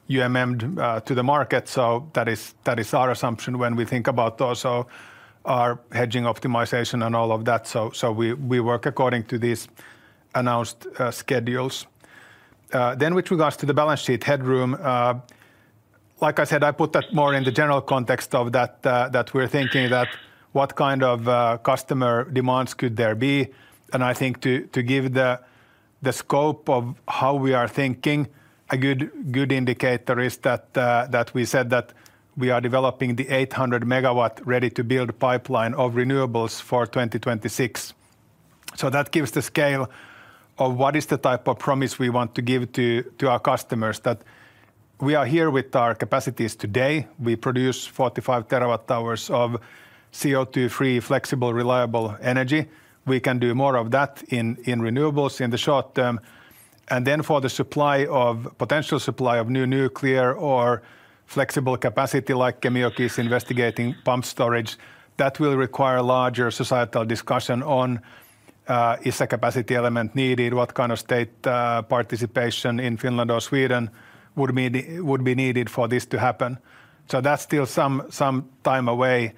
UMM to the market, so that is our assumption when we think about also our hedging optimization and all of that. So we work according to these announced schedules. Then with regards to the balance sheet headroom, like I said, I put that more in the general context of that, that we're thinking that what kind of customer demands could there be? I think to, to give the, the scope of how we are thinking, a good, good indicator is that, that we said that we are developing the 800 MW ready-to-build pipeline of renewables for 2026. So that gives the scale of what is the type of promise we want to give to, to our customers, that we are here with our capacities today. We produce 45 TWh of CO2-free, flexible, reliable energy. We can do more of that in, in renewables in the short term. And then for the supply of... potential supply of new nuclear or flexible capacity, like Kemijoki is investigating pump storage, that will require larger societal discussion on is a capacity element needed? What kind of state participation in Finland or Sweden would be needed for this to happen? So that's still some time away,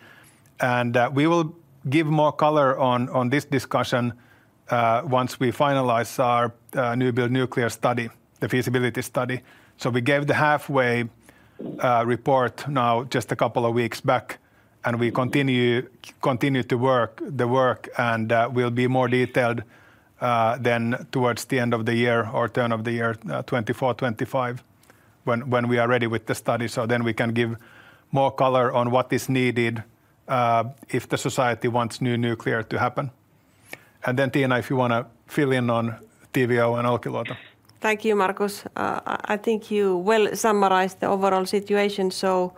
and we will give more color on this discussion once we finalize our new build nuclear study, the feasibility study. So we gave the halfway report now just a couple of weeks back, and we continue to work, and we'll be more detailed then towards the end of the year or turn of the year 2024, 2025, when we are ready with the study. So then we can give more color on what is needed if the society wants new nuclear to happen. And then, Tiina, if you wanna fill in on TVO and Olkiluoto. Thank you, Markus. I think you well summarized the overall situation. So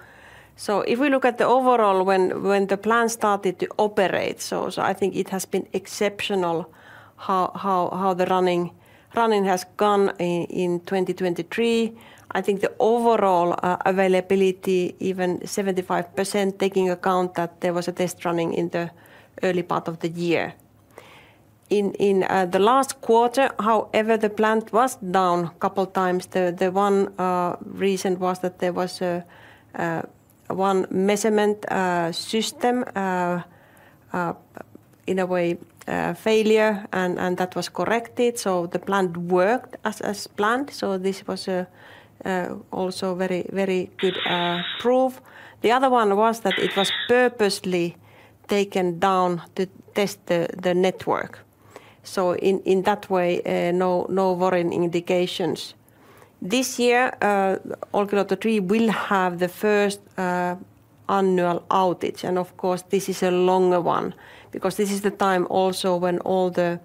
if we look at the overall, when the plant started to operate, so I think it has been exceptional how the running has gone in 2023. I think the overall availability, even 75%, taking account that there was a test running in the early part of the year. In the last quarter, however, the plant was down a couple times. The one reason was that there was a one measurement system in a way failure, and that was corrected, so the plant worked as planned. So this was also a very good proof. The other one was that it was purposely taken down to test the network. So in that way, no worrying indications. This year, Olkiluoto 3 will have the first annual outage, and of course, this is a longer one, because this is the time also when all the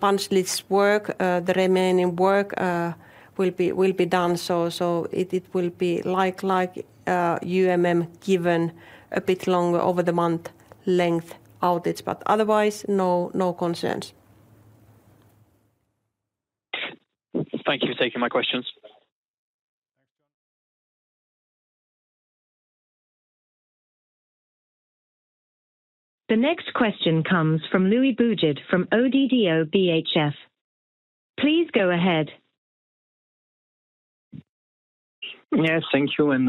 punch lists work, the remaining work will be done. So it will be like, UMM, given a bit longer over the month length outage, but otherwise, no concerns. Thank you for taking my questions. The next question comes from Louis Boujard from ODDO BHF. Please go ahead. Yes, thank you, and,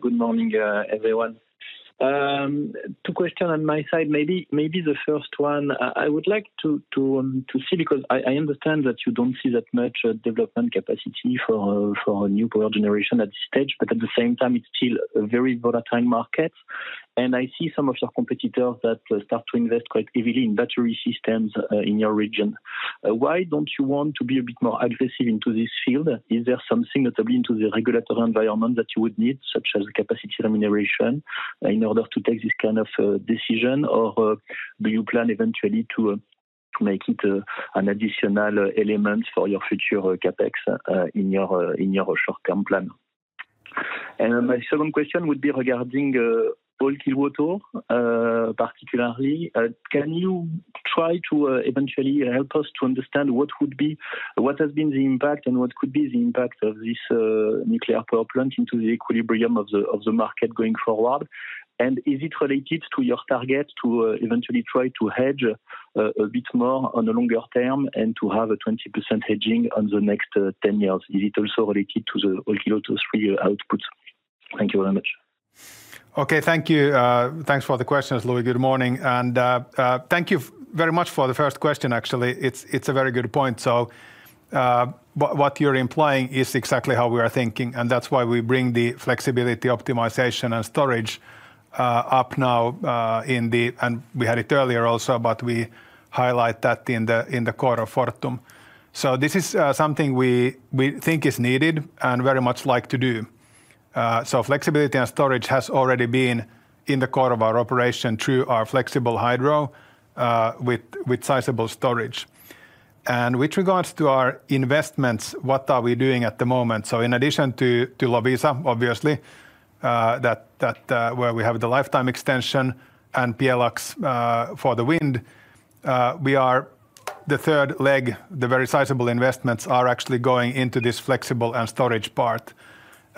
good morning, everyone. Two questions on my side. Maybe the first one, I would like to see, because I understand that you don't see that much development capacity for a new power generation at this stage, but at the same time, it's still a very volatile market. And I see some of your competitors that start to invest quite heavily in battery systems in your region. Why don't you want to be a bit more aggressive into this field? Is there something that will be into the regulatory environment that you would need, such as capacity remuneration, in order to take this kind of decision? Or, do you plan eventually to make it an additional element for your future CapEx in your short-term plan? My second question would be regarding Olkiluoto particularly. Can you try to eventually help us to understand what would be... what has been the impact and what could be the impact of this nuclear power plant into the equilibrium of the market going forward? And is it related to your target to eventually try to hedge a bit more on the longer term and to have a 20% hedging on the next 10 years? Is it also related to the Olkiluoto 3 outputs? Thank you very much. Okay. Thank you. Thanks for the questions, Louis. Good morning, and thank you very much for the first question, actually. It's a very good point. So, what you're implying is exactly how we are thinking, and that's why we bring the flexibility, optimization, and storage up now, and we had it earlier also, but we highlight that in the core of Fortum. So this is something we think is needed and very much like to do. So flexibility and storage has already been in the core of our operation through our flexible hydro, with sizable storage. And with regards to our investments, what are we doing at the moment? So in addition to Loviisa, obviously, that where we have the lifetime extension and Pjelax for the wind, we are the third leg. The very sizable investments are actually going into this flexible and storage part,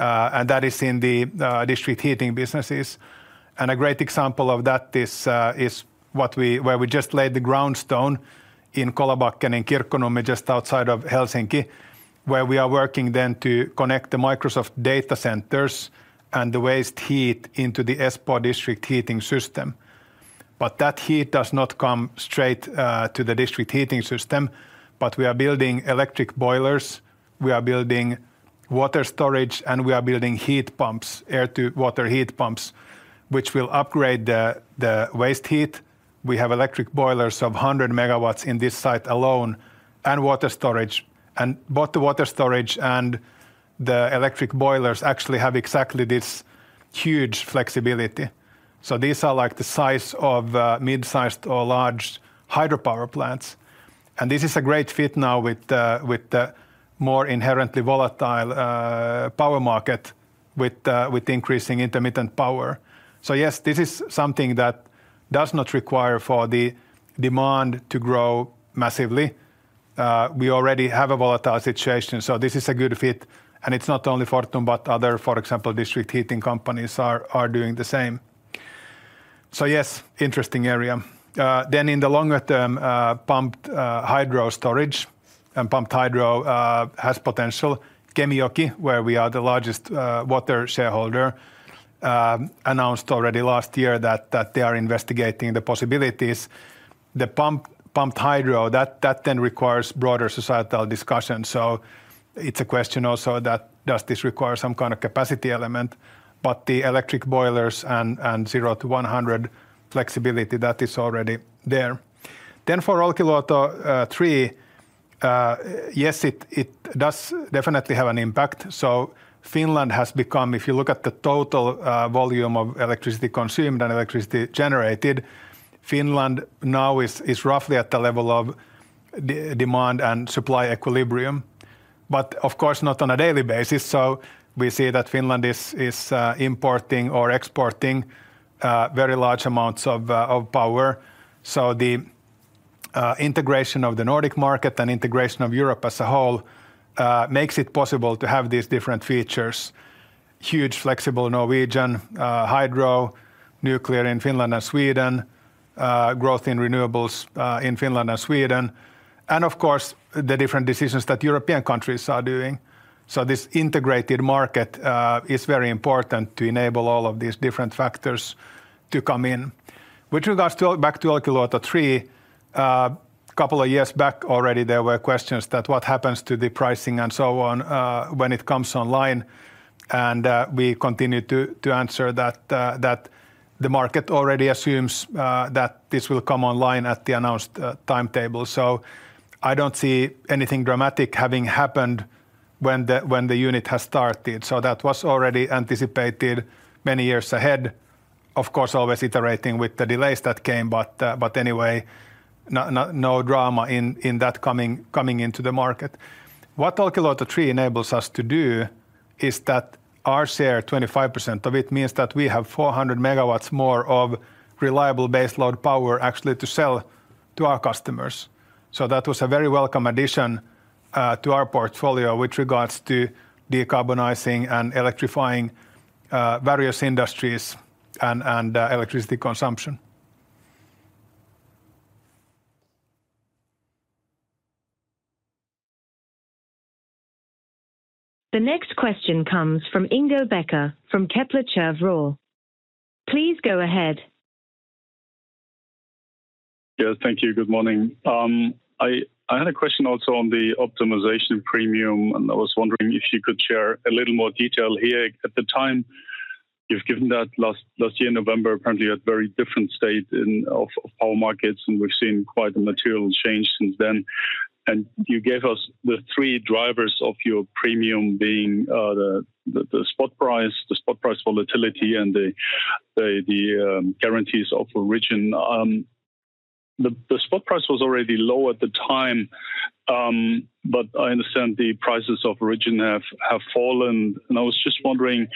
and that is in the district heating businesses. And a great example of that is what we—where we just laid the ground stone in Kolabacken in Kirkkonummi, just outside of Helsinki, where we are working then to connect the Microsoft data centers and the waste heat into the Espoo district heating system. But that heat does not come straight to the district heating system, but we are building electric boilers, we are building water storage, and we are building heat pumps, air-to-water heat pumps, which will upgrade the waste heat. We have electric boilers of 100 MW in this site alone, and water storage. And both the water storage and the electric boilers actually have exactly this huge flexibility. So these are like the size of mid-sized or large hydropower plants. And this is a great fit now with the more inherently volatile power market, with the increasing intermittent power. So yes, this is something that does not require for the demand to grow massively. We already have a volatile situation, so this is a good fit. And it's not only Fortum, but other, for example, district heating companies are doing the same. So yes, interesting area. Then in the longer term, pumped hydro storage and pumped hydro has potential. Kemijoki, where we are the largest water shareholder, announced already last year that they are investigating the possibilities. The pumped hydro, that then requires broader societal discussion. So it's a question also that, does this require some kind of capacity element? But the electric boilers and zero to 100 flexibility, that is already there. Then for Olkiluoto 3, yes, it does definitely have an impact. So Finland has become, if you look at the total volume of electricity consumed and electricity generated, Finland now is roughly at the level of demand and supply equilibrium, but of course, not on a daily basis. So we see that Finland is importing or exporting very large amounts of power. So the integration of the Nordic market and integration of Europe as a whole, makes it possible to have these different features: huge, flexible Norwegian hydro, nuclear in Finland and Sweden, growth in renewables in Finland and Sweden, and of course, the different decisions that European countries are doing. So this integrated market is very important to enable all of these different factors to come in. With regards to, back to Olkiluoto 3, couple of years back already, there were questions that what happens to the pricing and so on when it comes online? And we continued to answer that the market already assumes that this will come online at the announced timetable. So I don't see anything dramatic having happened when the unit has started. So that was already anticipated many years ahead. Of course, always iterating with the delays that came, but anyway, no drama in that coming into the market. What Olkiluoto 3 enables us to do is that our share, 25% of it, means that we have 400 MW more of reliable base load power actually to sell to our customers. So that was a very welcome addition to our portfolio with regards to decarbonizing and electrifying various industries and electricity consumption. The next question comes from Ingo Becker, from Kepler Cheuvreux. Please go ahead. Yeah, thank you. Good morning. I had a question also on the optimization premium, and I was wondering if you could share a little more detail here. At the time, you've given that last year, November, apparently at very different state of power markets, and we've seen quite a material change since then. And you gave us the three drivers of your premium being the spot price, the spot price volatility, and the guarantees of origin. The spot price was already low at the time, but I understand the guarantees of origin have fallen. And I was just wondering,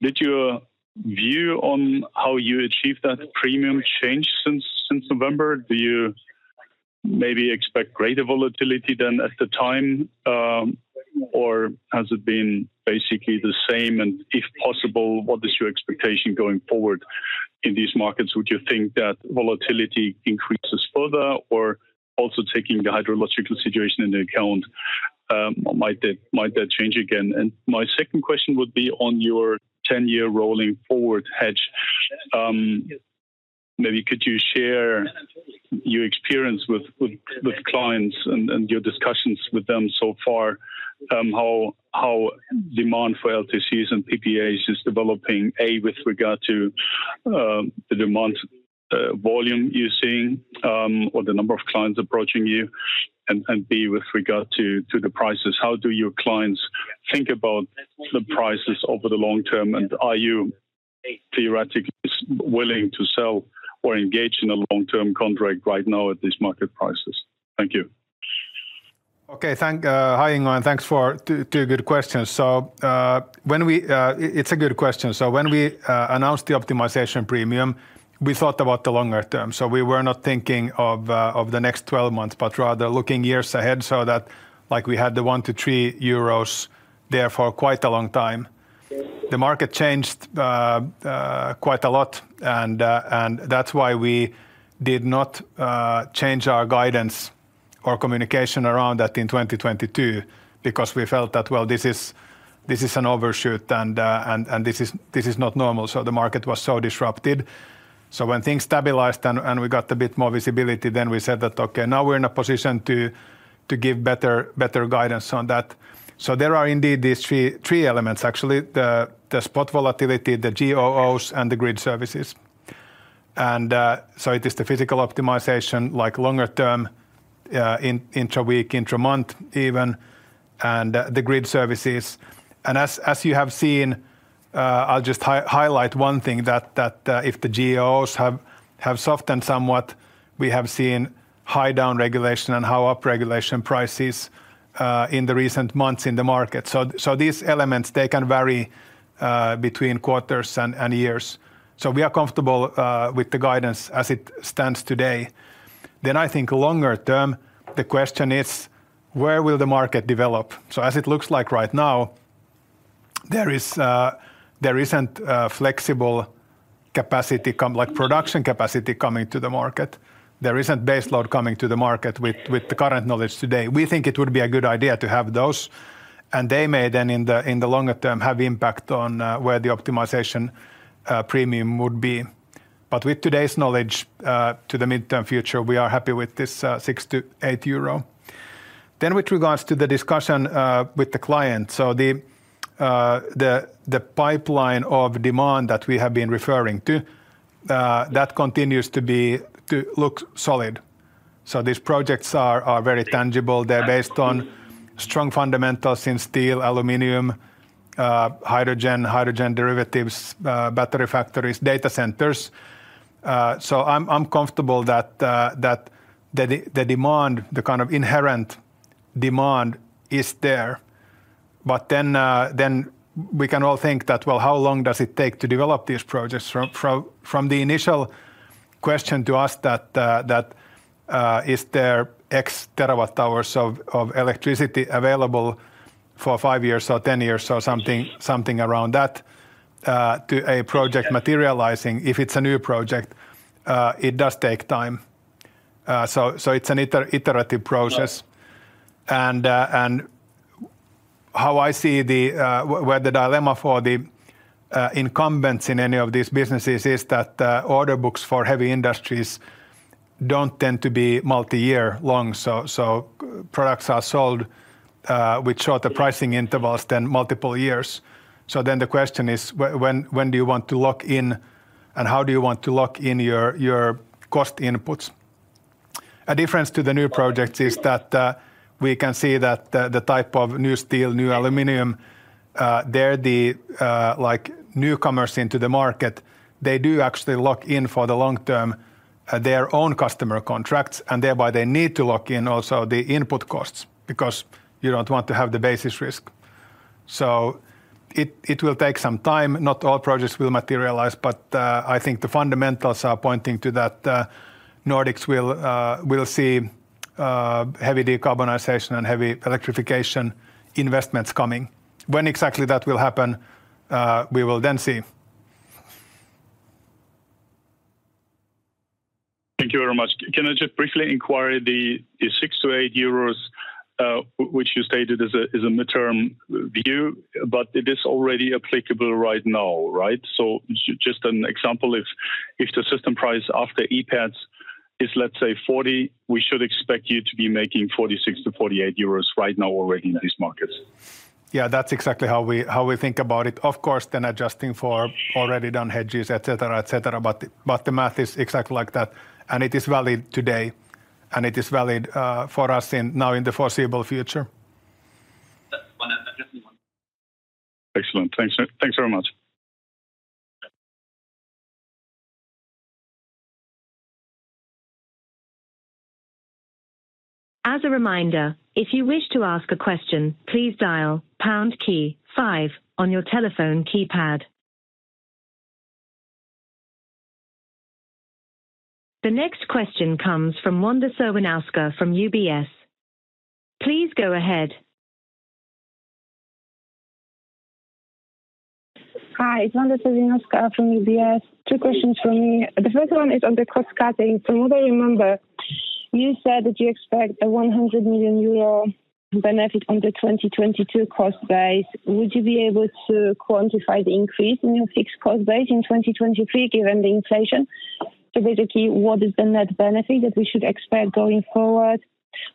did your view on how you achieve that premium change since November? Do you maybe expect greater volatility than at the time, or has it been basically the same? If possible, what is your expectation going forward in these markets? Would you think that volatility increases further, or also taking the hydrological situation into account, might that change again? And my second question would be on your 10-year rolling forward hedge. Maybe could you share your experience with clients and your discussions with them so far, how demand for LTCs and PPAs is developing, A, with regard to the demand volume you're seeing, or the number of clients approaching you? And B, with regard to the prices, how do your clients think about the prices over the long term, and are you theoretically willing to sell or engage in a long-term contract right now at these market prices? Thank you. Okay, thanks. Hi, Ingo. Thanks for two good questions. So, when we... It's a good question. So when we announced the optimization premium, we thought about the longer term. So we were not thinking of the next 12 months, but rather looking years ahead so that, like, we had 1-3 euros there for quite a long time. The market changed quite a lot, and that's why we did not change our guidance or communication around that in 2022, because we felt that, well, this is an overshoot, and this is not normal. So the market was so disrupted. So when things stabilized and we got a bit more visibility, then we said that, "Okay, now we're in a position to give better guidance on that." So there are indeed these three elements actually, the spot volatility, the GOOs, and the grid services. And so it is the physical optimization, like, longer term, in intra-week, intra-month even, and the grid services. And as you have seen, I'll just highlight one thing, that if the GOOs have softened somewhat, we have seen high down regulation and high up regulation prices in the recent months in the market. So these elements, they can vary between quarters and years. So we are comfortable with the guidance as it stands today. Then I think longer term, the question is: Where will the market develop? So as it looks like right now, there is, there isn't a flexible capacity come, like production capacity coming to the market. There isn't baseload coming to the market with the current knowledge today. We think it would be a good idea to have those, and they may then, in the longer term, have impact on where the optimization premium would be. But with today's knowledge, to the midterm future, we are happy with this 6-8 euro. Then with regards to the discussion with the client, so the pipeline of demand that we have been referring to that continues to be to look solid. So these projects are very tangible. They're based on strong fundamentals in steel, aluminum, hydrogen, hydrogen derivatives, battery factories, data centers. So I'm comfortable that the demand, the kind of inherent demand is there. But then we can all think that, well, how long does it take to develop these projects? From the initial question to ask that is there X terawatt hours of electricity available for five years or 10 years or something around that to a project materializing? If it's a new project, it does take time. So it's an iterative process. And how I see where the dilemma for the incumbents in any of these businesses is that order books for heavy industries don't tend to be multi-year long, so products are sold with shorter pricing intervals than multiple years. So then the question is: when, when do you want to lock in, and how do you want to lock in your, your cost inputs? A difference to the new projects is that, we can see that the type of new steel, new aluminum, they're the, like, newcomers into the market. They do actually lock in for the long term, their own customer contracts, and thereby they need to lock in also the input costs, because you don't want to have the basis risk. So it, it will take some time. Not all projects will materialize, but, I think the fundamentals are pointing to that. Nordics will, will see, heavy decarbonization and heavy electrification investments coming. When exactly that will happen, we will then see. Thank you very much. Can I just briefly inquire: The six to eight euros, which you stated is a midterm view, but it is already applicable right now, right? So just an example, if the system price after EPADS is, let's say, 40, we should expect you to be making 46-48 euros right now already in these markets? Yeah, that's exactly how we, how we think about it. Of course, then adjusting for already done hedges, et cetera, et cetera, but the, but the math is exactly like that, and it is valid today, and it is valid, for us now in the foreseeable future. Excellent. Thanks, thanks very much. As a reminder, if you wish to ask a question, please dial pound key five on your telephone keypad. The next question comes from Wanda Serwinowska from UBS. Please go ahead. Hi, it's Wanda Serwinowska from UBS. Two questions from me. The first one is on the cost cutting. From what I remember, you said that you expect a 100 million euro benefit on the 2022 cost base. Would you be able to quantify the increase in your fixed cost base in 2023, given the inflation? So basically, what is the net benefit that we should expect going forward?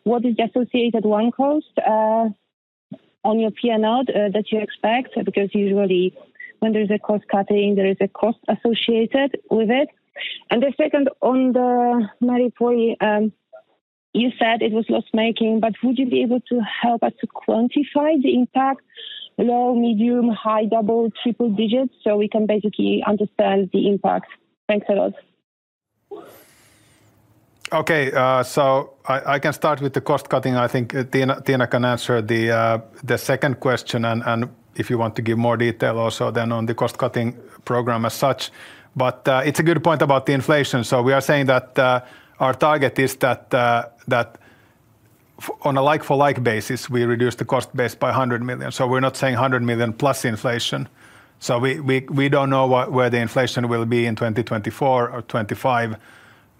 What is the associated one cost on your PNL that you expect? Because usually when there's a cost cutting, there is a cost associated with it. And the second, on the Meri-Pori, you said it was loss-making, but would you be able to help us to quantify the impact, low, medium, high, double, triple digits, so we can basically understand the impact? Thanks a lot. Okay, so I can start with the cost cutting. I think, Tiina can answer the second question and if you want to give more detail also then on the cost-cutting program as such. But, it's a good point about the inflation. So we are saying that, our target is that, on a like-for-like basis, we reduce the cost base by 100 million. So we're not saying 100 million plus inflation. So we don't know where the inflation will be in 2024 or 2025,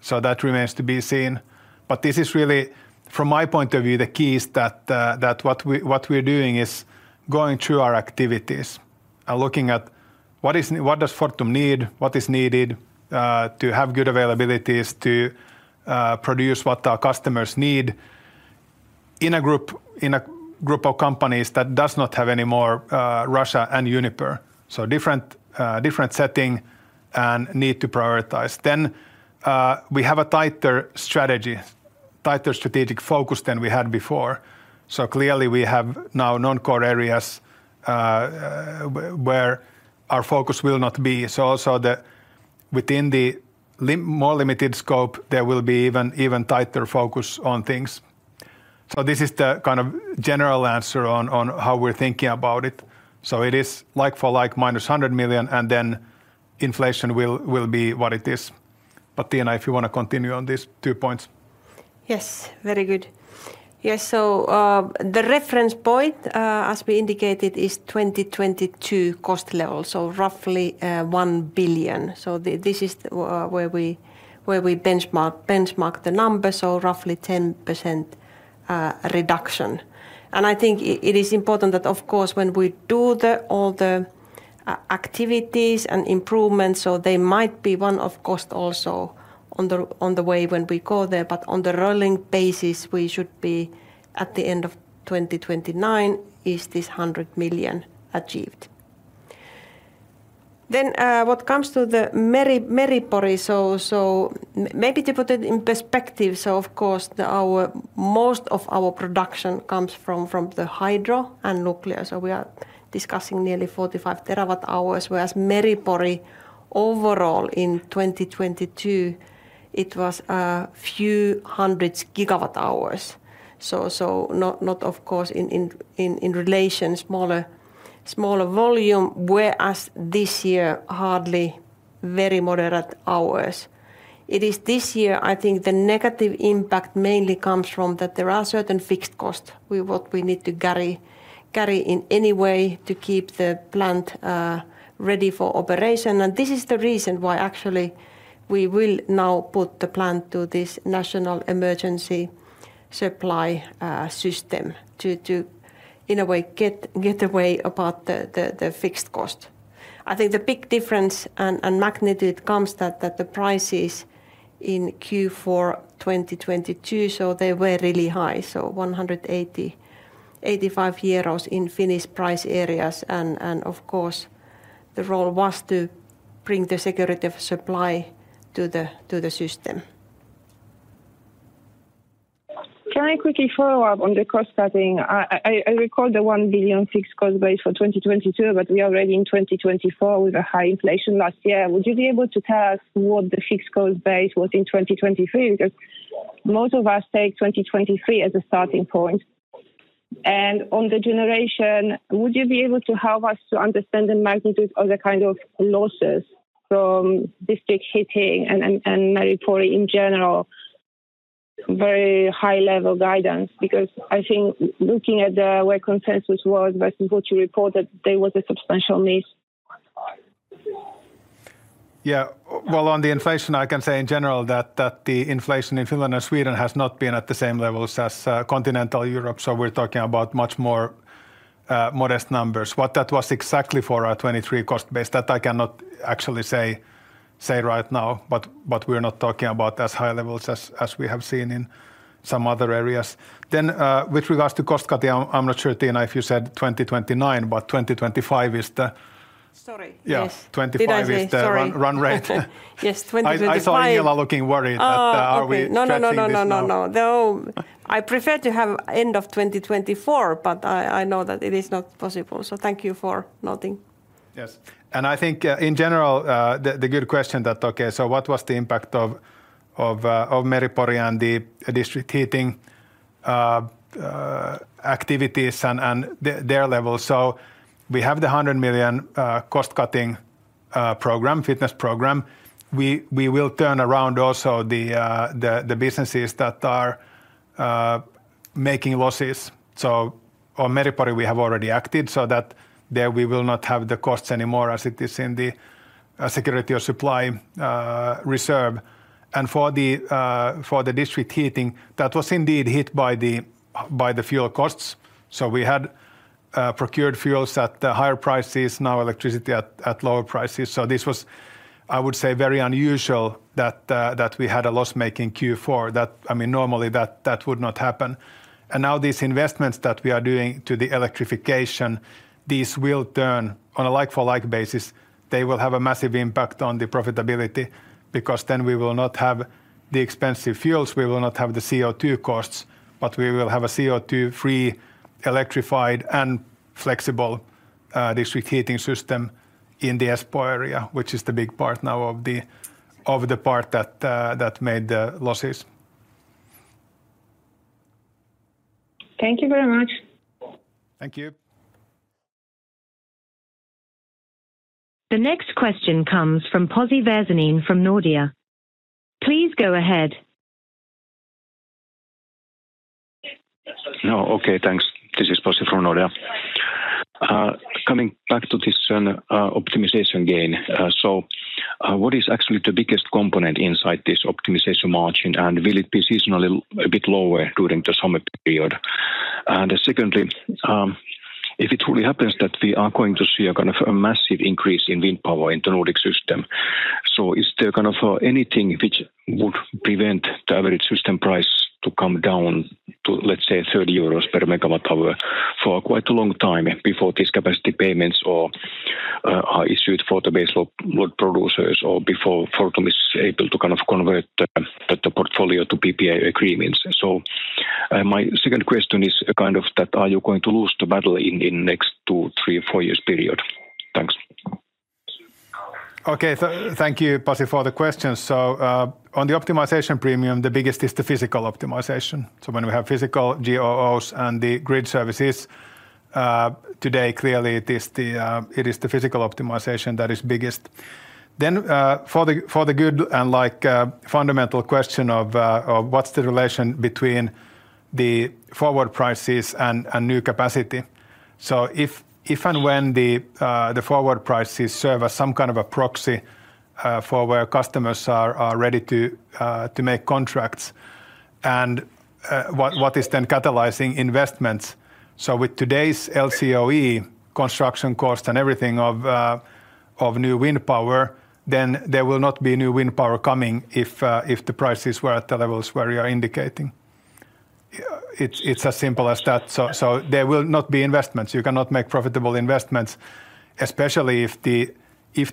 so that remains to be seen. But this is really, from my point of view, the key is that, what we're doing is going through our activities and looking at what does Fortum need? What is needed to have good availabilities to produce what our customers need in a group, in a group of companies that does not have any more Russia and Uniper. So different different setting and need to prioritize. Then we have a tighter strategy, tighter strategic focus than we had before. So clearly, we have now non-core areas where our focus will not be. So also the... Within the more limited scope, there will be even tighter focus on things. So this is the kind of general answer on how we're thinking about it. So it is like-for-like, minus 100 million, and then inflation will be what it is. But Tiina, if you want to continue on these two points. Yes, very good. Yes, so, the reference point, as we indicated, is 2022 cost level, so roughly, 1 billion. So this is, where we benchmark the numbers, so roughly 10% reduction. And I think it is important that, of course, when we do all the activities and improvements, so there might be one of cost also on the way when we go there, but on the rolling basis, we should be at the end of 2029, is this 100 million achieved. Then, what comes to Meri-Pori, so maybe to put it in perspective, so of course, our most of our production comes from the hydro and nuclear, so we are discussing nearly 45 TWh, whereas Meri-Pori overall in 2022 it was a few hundred GWh. So not of course in relation smaller volume, whereas this year hardly very moderate hours. It is this year, I think the negative impact mainly comes from that there are certain fixed costs we need to carry in any way to keep the plant ready for operation. And this is the reason why actually we will now put the plant to this national emergency supply system to in a way get away about the fixed cost. I think the big difference and magnitude comes that the prices in Q4 2022, so they were really high, so 185 euros in Finnish price areas. And of course, the role was to bring the security of supply to the system. Can I quickly follow up on the cost cutting? I recall the 1 billion fixed cost base for 2022, but we are already in 2024 with a high inflation last year. Would you be able to tell us what the fixed cost base was in 2023? Because most of us take 2023 as a starting point. And on the generation, would you be able to help us to understand the magnitude of the kind of losses from district heating and Meri-Pori in general, very high-level guidance? Because I think looking at where consensus was versus what you reported, there was a substantial miss. Yeah. Well, on the inflation, I can say in general that the inflation in Finland and Sweden has not been at the same levels as continental Europe, so we're talking about much more modest numbers. What that was exactly for our 2023 cost base, that I cannot actually say right now, but we're not talking about as high levels as we have seen in some other areas. Then, with regards to cost cutting, I'm not sure, Tiina, if you said 2029, but 2025 is the- Sorry. Yes. Yeah. Did I say? 2025 is the- Sorry... run, run rate. Yes, 2025. I saw Tiina looking worried- Ah, okay... that, are we tracking this now? No, no, no, no, no, no, no. I prefer to have end of 2024, but I, I know that it is not possible, so thank you for noting. Yes. And I think, in general, the good question that, okay, so what was the impact of, of, of Meri-Pori and the district heating, activities and, and their level? So we have the 100 million, cost-cutting, program, fitness program. We will turn around also the, the businesses that are making losses. So on Meri-Pori, we have already acted so that there we will not have the costs anymore as it is in the, security of supply, reserve. And for the district heating, that was indeed hit by the, by the fuel costs. So we had procured fuels at the higher prices, now electricity at lower prices. So this was, I would say, very unusual that, that we had a loss-making Q4. That—I mean, normally, that would not happen. And now these investments that we are doing to the electrification, these will turn on a like-for-like basis, they will have a massive impact on the profitability, because then we will not have the expensive fuels, we will not have the CO2 costs, but we will have a CO2-free, electrified, and flexible district heating system in the Espoo area, which is the big part now of the part that made the losses. Thank you very much. Thank you. The next question comes from Pasi Väisänen from Nordea. Please go ahead. No. Okay, thanks. This is Pasi from Nordea. Coming back to this, optimization gain, so, what is actually the biggest component inside this optimization margin? And will it be seasonally a bit lower during the summer period? And secondly, if it really happens that we are going to see a kind of a massive increase in wind power in the Nordic system, so is there kind of, anything which would prevent the average system price to come down to, let's say, 30 euros per MWh for quite a long time before these capacity payments are, are issued for the base load, load producers or before Fortum is able to kind of convert the, the portfolio to PPA agreements? My second question is kind of that, are you going to lose the battle in next two, three, or four years period? Thanks. Okay. Thank you, Pasi, for the questions. So, on the optimization premium, the biggest is the physical optimization. So when we have physical GOOs and the grid services, today, clearly it is the physical optimization that is biggest. Then, for the good and, like, fundamental question of what's the relation between the forward prices and new capacity. So if and when the forward prices serve as some kind of a proxy for where customers are ready to make contracts and what is then catalyzing investments? So with today's LCOE construction cost and everything of new wind power, then there will not be new wind power coming if the prices were at the levels where you are indicating. It's, it's as simple as that. So there will not be investments. You cannot make profitable investments, especially if the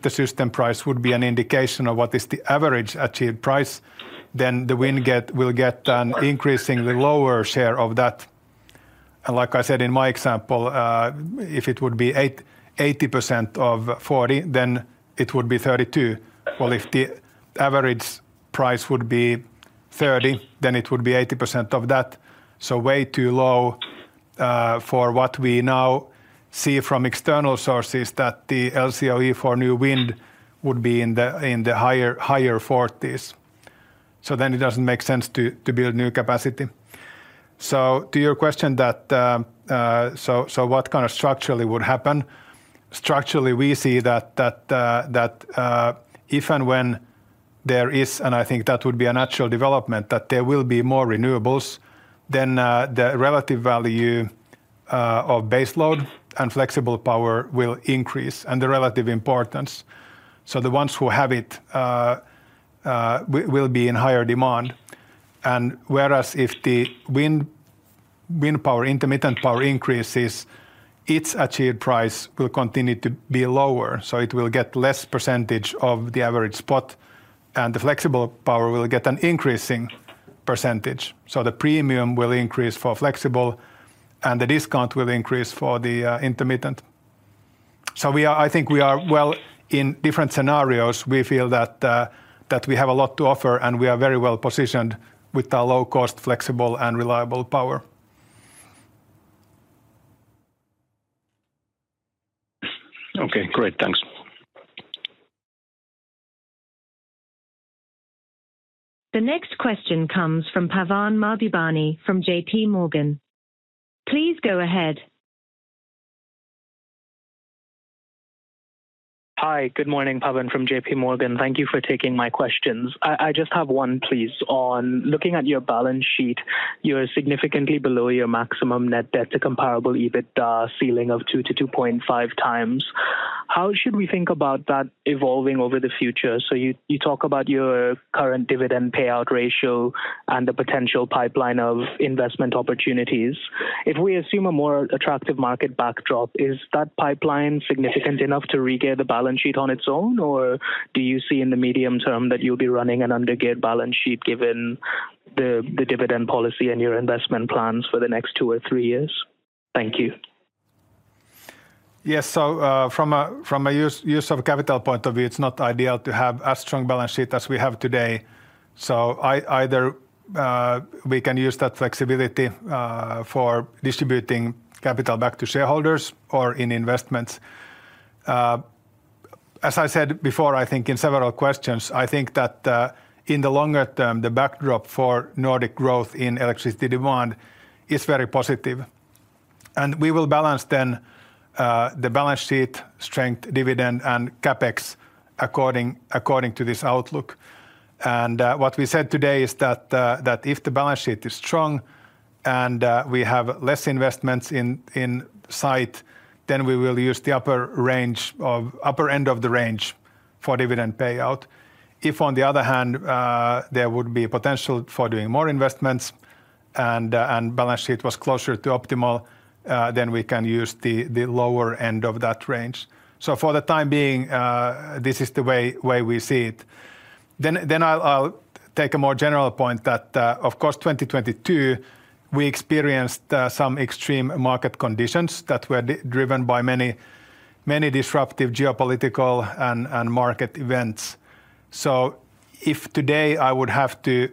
system price would be an indication of what is the average achieved price, then the wind will get an increasingly lower share of that. And like I said in my example, if it would be 80% of 40, then it would be 32. Well, if the average price would be 30, then it would be 80% of that. So way too low for what we now see from external sources that the LCOE for new wind would be in the higher 40s. So then it doesn't make sense to build new capacity. So to your question that, so what kind of structurally would happen? Structurally, we see that if and when there is, and I think that would be a natural development, that there will be more renewables, then the relative value of base load and flexible power will increase and the relative importance. So the ones who have it will be in higher demand. And whereas if the wind power, intermittent power increases, its achieved price will continue to be lower, so it will get less percentage of the average spot, and the flexible power will get an increasing percentage. So the premium will increase for flexible, and the discount will increase for the intermittent. So we are—I think we are well in different scenarios. We feel that we have a lot to offer, and we are very well positioned with our low cost, flexible, and reliable power. Okay, great. Thanks. The next question comes from Pavan Mahbubani from JPMorgan. Please go ahead. Hi, good morning. Pavan from JPMorgan. Thank you for taking my questions. I just have one, please. On looking at your balance sheet, you're significantly below your maximum net debt to comparable EBITDA ceiling of 2-2.5x. How should we think about that evolving over the future? So you talk about your current dividend payout ratio and the potential pipeline of investment opportunities. If we assume a more attractive market backdrop, is that pipeline significant enough to regear the balance sheet on its own, or do you see in the medium term that you'll be running an undergeared balance sheet, given the dividend policy and your investment plans for the next two or three years? Thank you. Yes, so from a use of capital point of view, it's not ideal to have as strong balance sheet as we have today. So either we can use that flexibility for distributing capital back to shareholders or in investments. As I said before, I think in several questions, I think that in the longer term, the backdrop for Nordic growth in electricity demand is very positive. And we will balance then the balance sheet strength, dividend, and CapEx according to this outlook. And what we said today is that if the balance sheet is strong and we have less investments in sight, then we will use the upper end of the range for dividend payout. If, on the other hand, there would be potential for doing more investments and, and balance sheet was closer to optimal, then we can use the, the lower end of that range. So for the time being, this is the way, way we see it. Then, then I'll, I'll take a more general point that, of course, 2022, we experienced, some extreme market conditions that were driven by many, many disruptive geopolitical and, and market events. So if today I would have to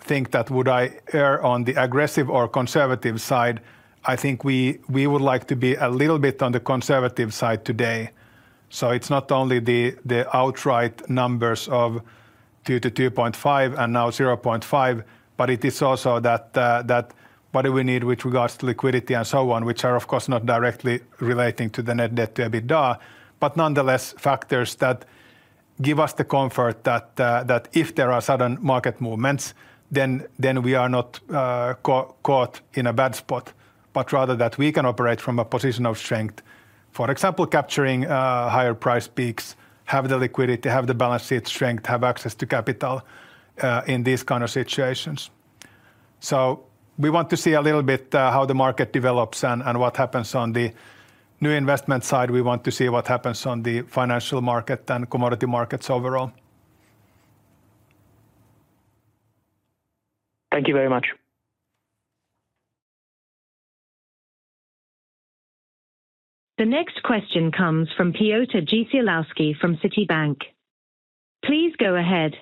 think that would I err on the aggressive or conservative side, I think we, we would like to be a little bit on the conservative side today. So it's not only the, the outright numbers of 2-2.5 and now 0.5, but it is also that, that what do we need with regards to liquidity and so on, which are, of course, not directly relating to the net debt to EBITDA. But nonetheless, factors that give us the comfort that, that if there are sudden market movements, then, then we are not, caught in a bad spot, but rather that we can operate from a position of strength. For example, capturing, higher price peaks, have the liquidity, have the balance sheet strength, have access to capital, in these kind of situations. So we want to see a little bit, how the market develops and, and what happens on the new investment side. We want to see what happens on the financial market and commodity markets overall. Thank you very much. The next question comes from Piotr Dzieciolowski from Citibank. Please go ahead.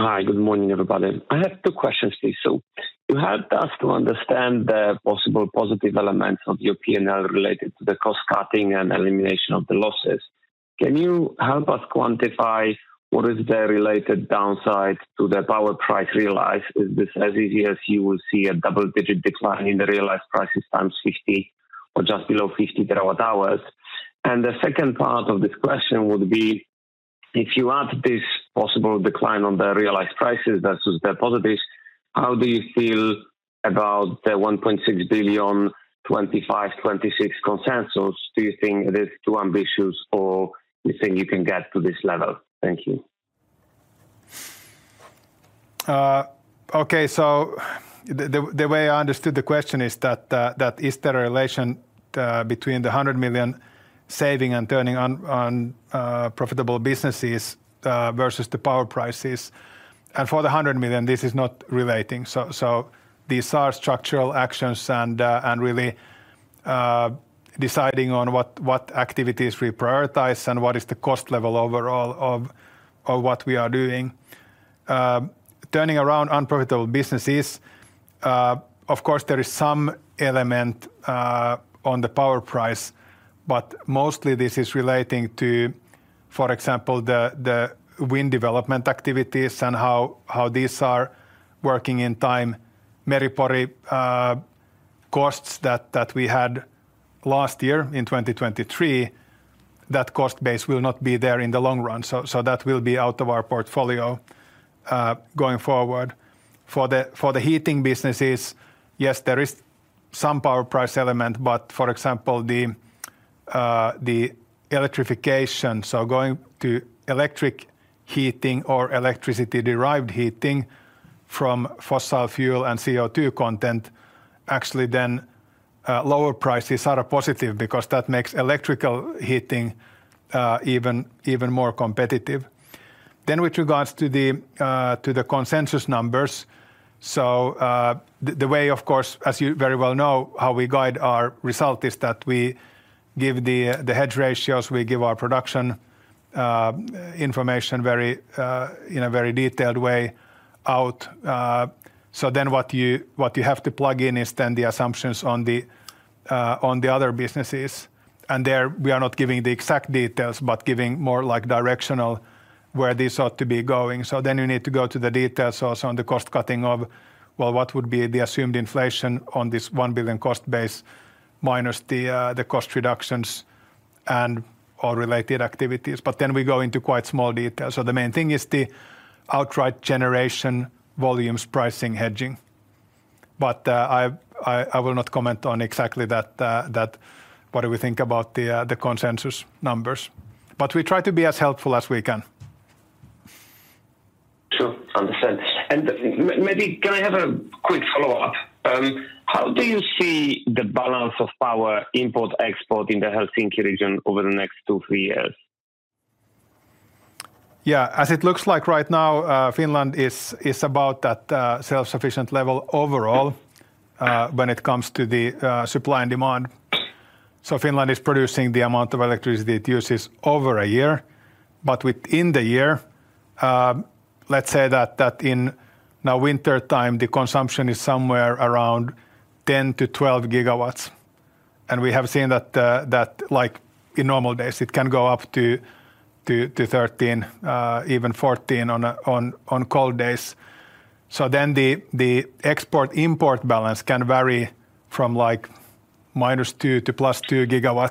Hi, good morning, everybody. I have two questions, please. So you helped us to understand the possible positive elements of your PNL related to the cost cutting and elimination of the losses. Can you help us quantify what is the related downside to the power price realized? Is this as easy as you will see a double-digit decline in the realized prices times 50 or just below 50 TWh? And the second part of this question would be, if you add this possible decline on the realized prices versus the positives, how do you feel about the 1.6 billion 2025 to 2026 consensus? Do you think it is too ambitious, or you think you can get to this level? Thank you. Okay, so the way I understood the question is that is there a relation between the 100 million saving and turning on profitable businesses versus the power prices. And for the 100 million, this is not relating. So these are structural actions and really deciding on what activities we prioritize and what is the cost level overall of what we are doing. Turning around unprofitable businesses, of course, there is some element on the power price, but mostly this is relating to, for example, the wind development activities and how these are working in time. Meri-Pori costs that we had last year in 2023, that cost base will not be there in the long run, so that will be out of our portfolio going forward. For the heating businesses, yes, there is some power price element, but for example, the electrification, so going to electric heating or electricity-derived heating from fossil fuel and CO₂ content, actually then, lower prices are a positive because that makes electrical heating, even more competitive. Then with regards to the consensus numbers, so, the way, of course, as you very well know, how we guide our result is that we give the hedge ratios, we give our production information very in a very detailed way out. So then what you have to plug in is then the assumptions on the other businesses, and there we are not giving the exact details, but giving more like directional where this ought to be going. So then you need to go to the details also on the cost cutting of, well, what would be the assumed inflation on this 1 billion cost base minus the cost reductions and all related activities. But then we go into quite small detail. So the main thing is the outright generation, volumes, pricing, hedging. But I will not comment on exactly that, that what do we think about the consensus numbers. But we try to be as helpful as we can. Sure. Understand. Maybe can I have a quick follow-up? How do you see the balance of power import, export in the Helsinki region over the next two, three years? Yeah, as it looks like right now, Finland is about that self-sufficient level overall when it comes to the supply and demand. So Finland is producing the amount of electricity it uses over a year, but within the year, let's say that in now wintertime, the consumption is somewhere around 10 GW-12 GW. And we have seen that, like, in normal days, it can go up to 13, even 14 on cold days. So then the export-import balance can vary from, like, -2 GW to +2 GW,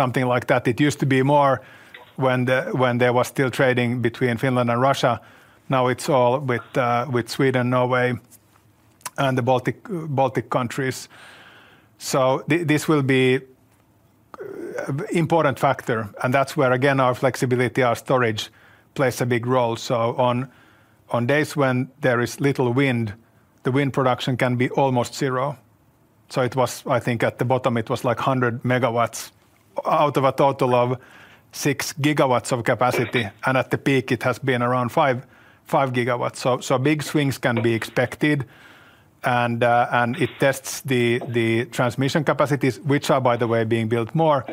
something like that. It used to be more when there was still trading between Finland and Russia. Now, it's all with Sweden, Norway, and the Baltic countries. So this will be an important factor, and that's where, again, our flexibility, our storage plays a big role. So on days when there is little wind, the wind production can be almost zero. So it was... I think at the bottom, it was like 100 MW out of a total of 6 GW of capacity, and at the peak, it has been around 5 GW. So big swings can be expected, and it tests the transmission capacities, which are, by the way, being built more.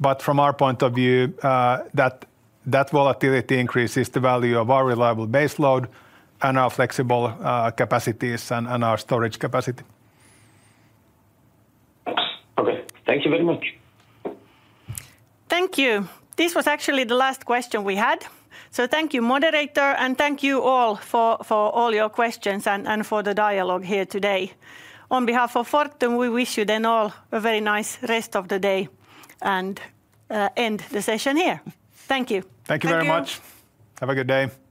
But from our point of view, that volatility increases the value of our reliable base load and our flexible capacities and our storage capacity. Okay. Thank you very much. Thank you. This was actually the last question we had. So thank you, moderator, and thank you all for, for all your questions and, and for the dialogue here today. On behalf of Fortum, we wish you then all a very nice rest of the day and end the session here. Thank you. Thank you very much. Thank you. Have a good day.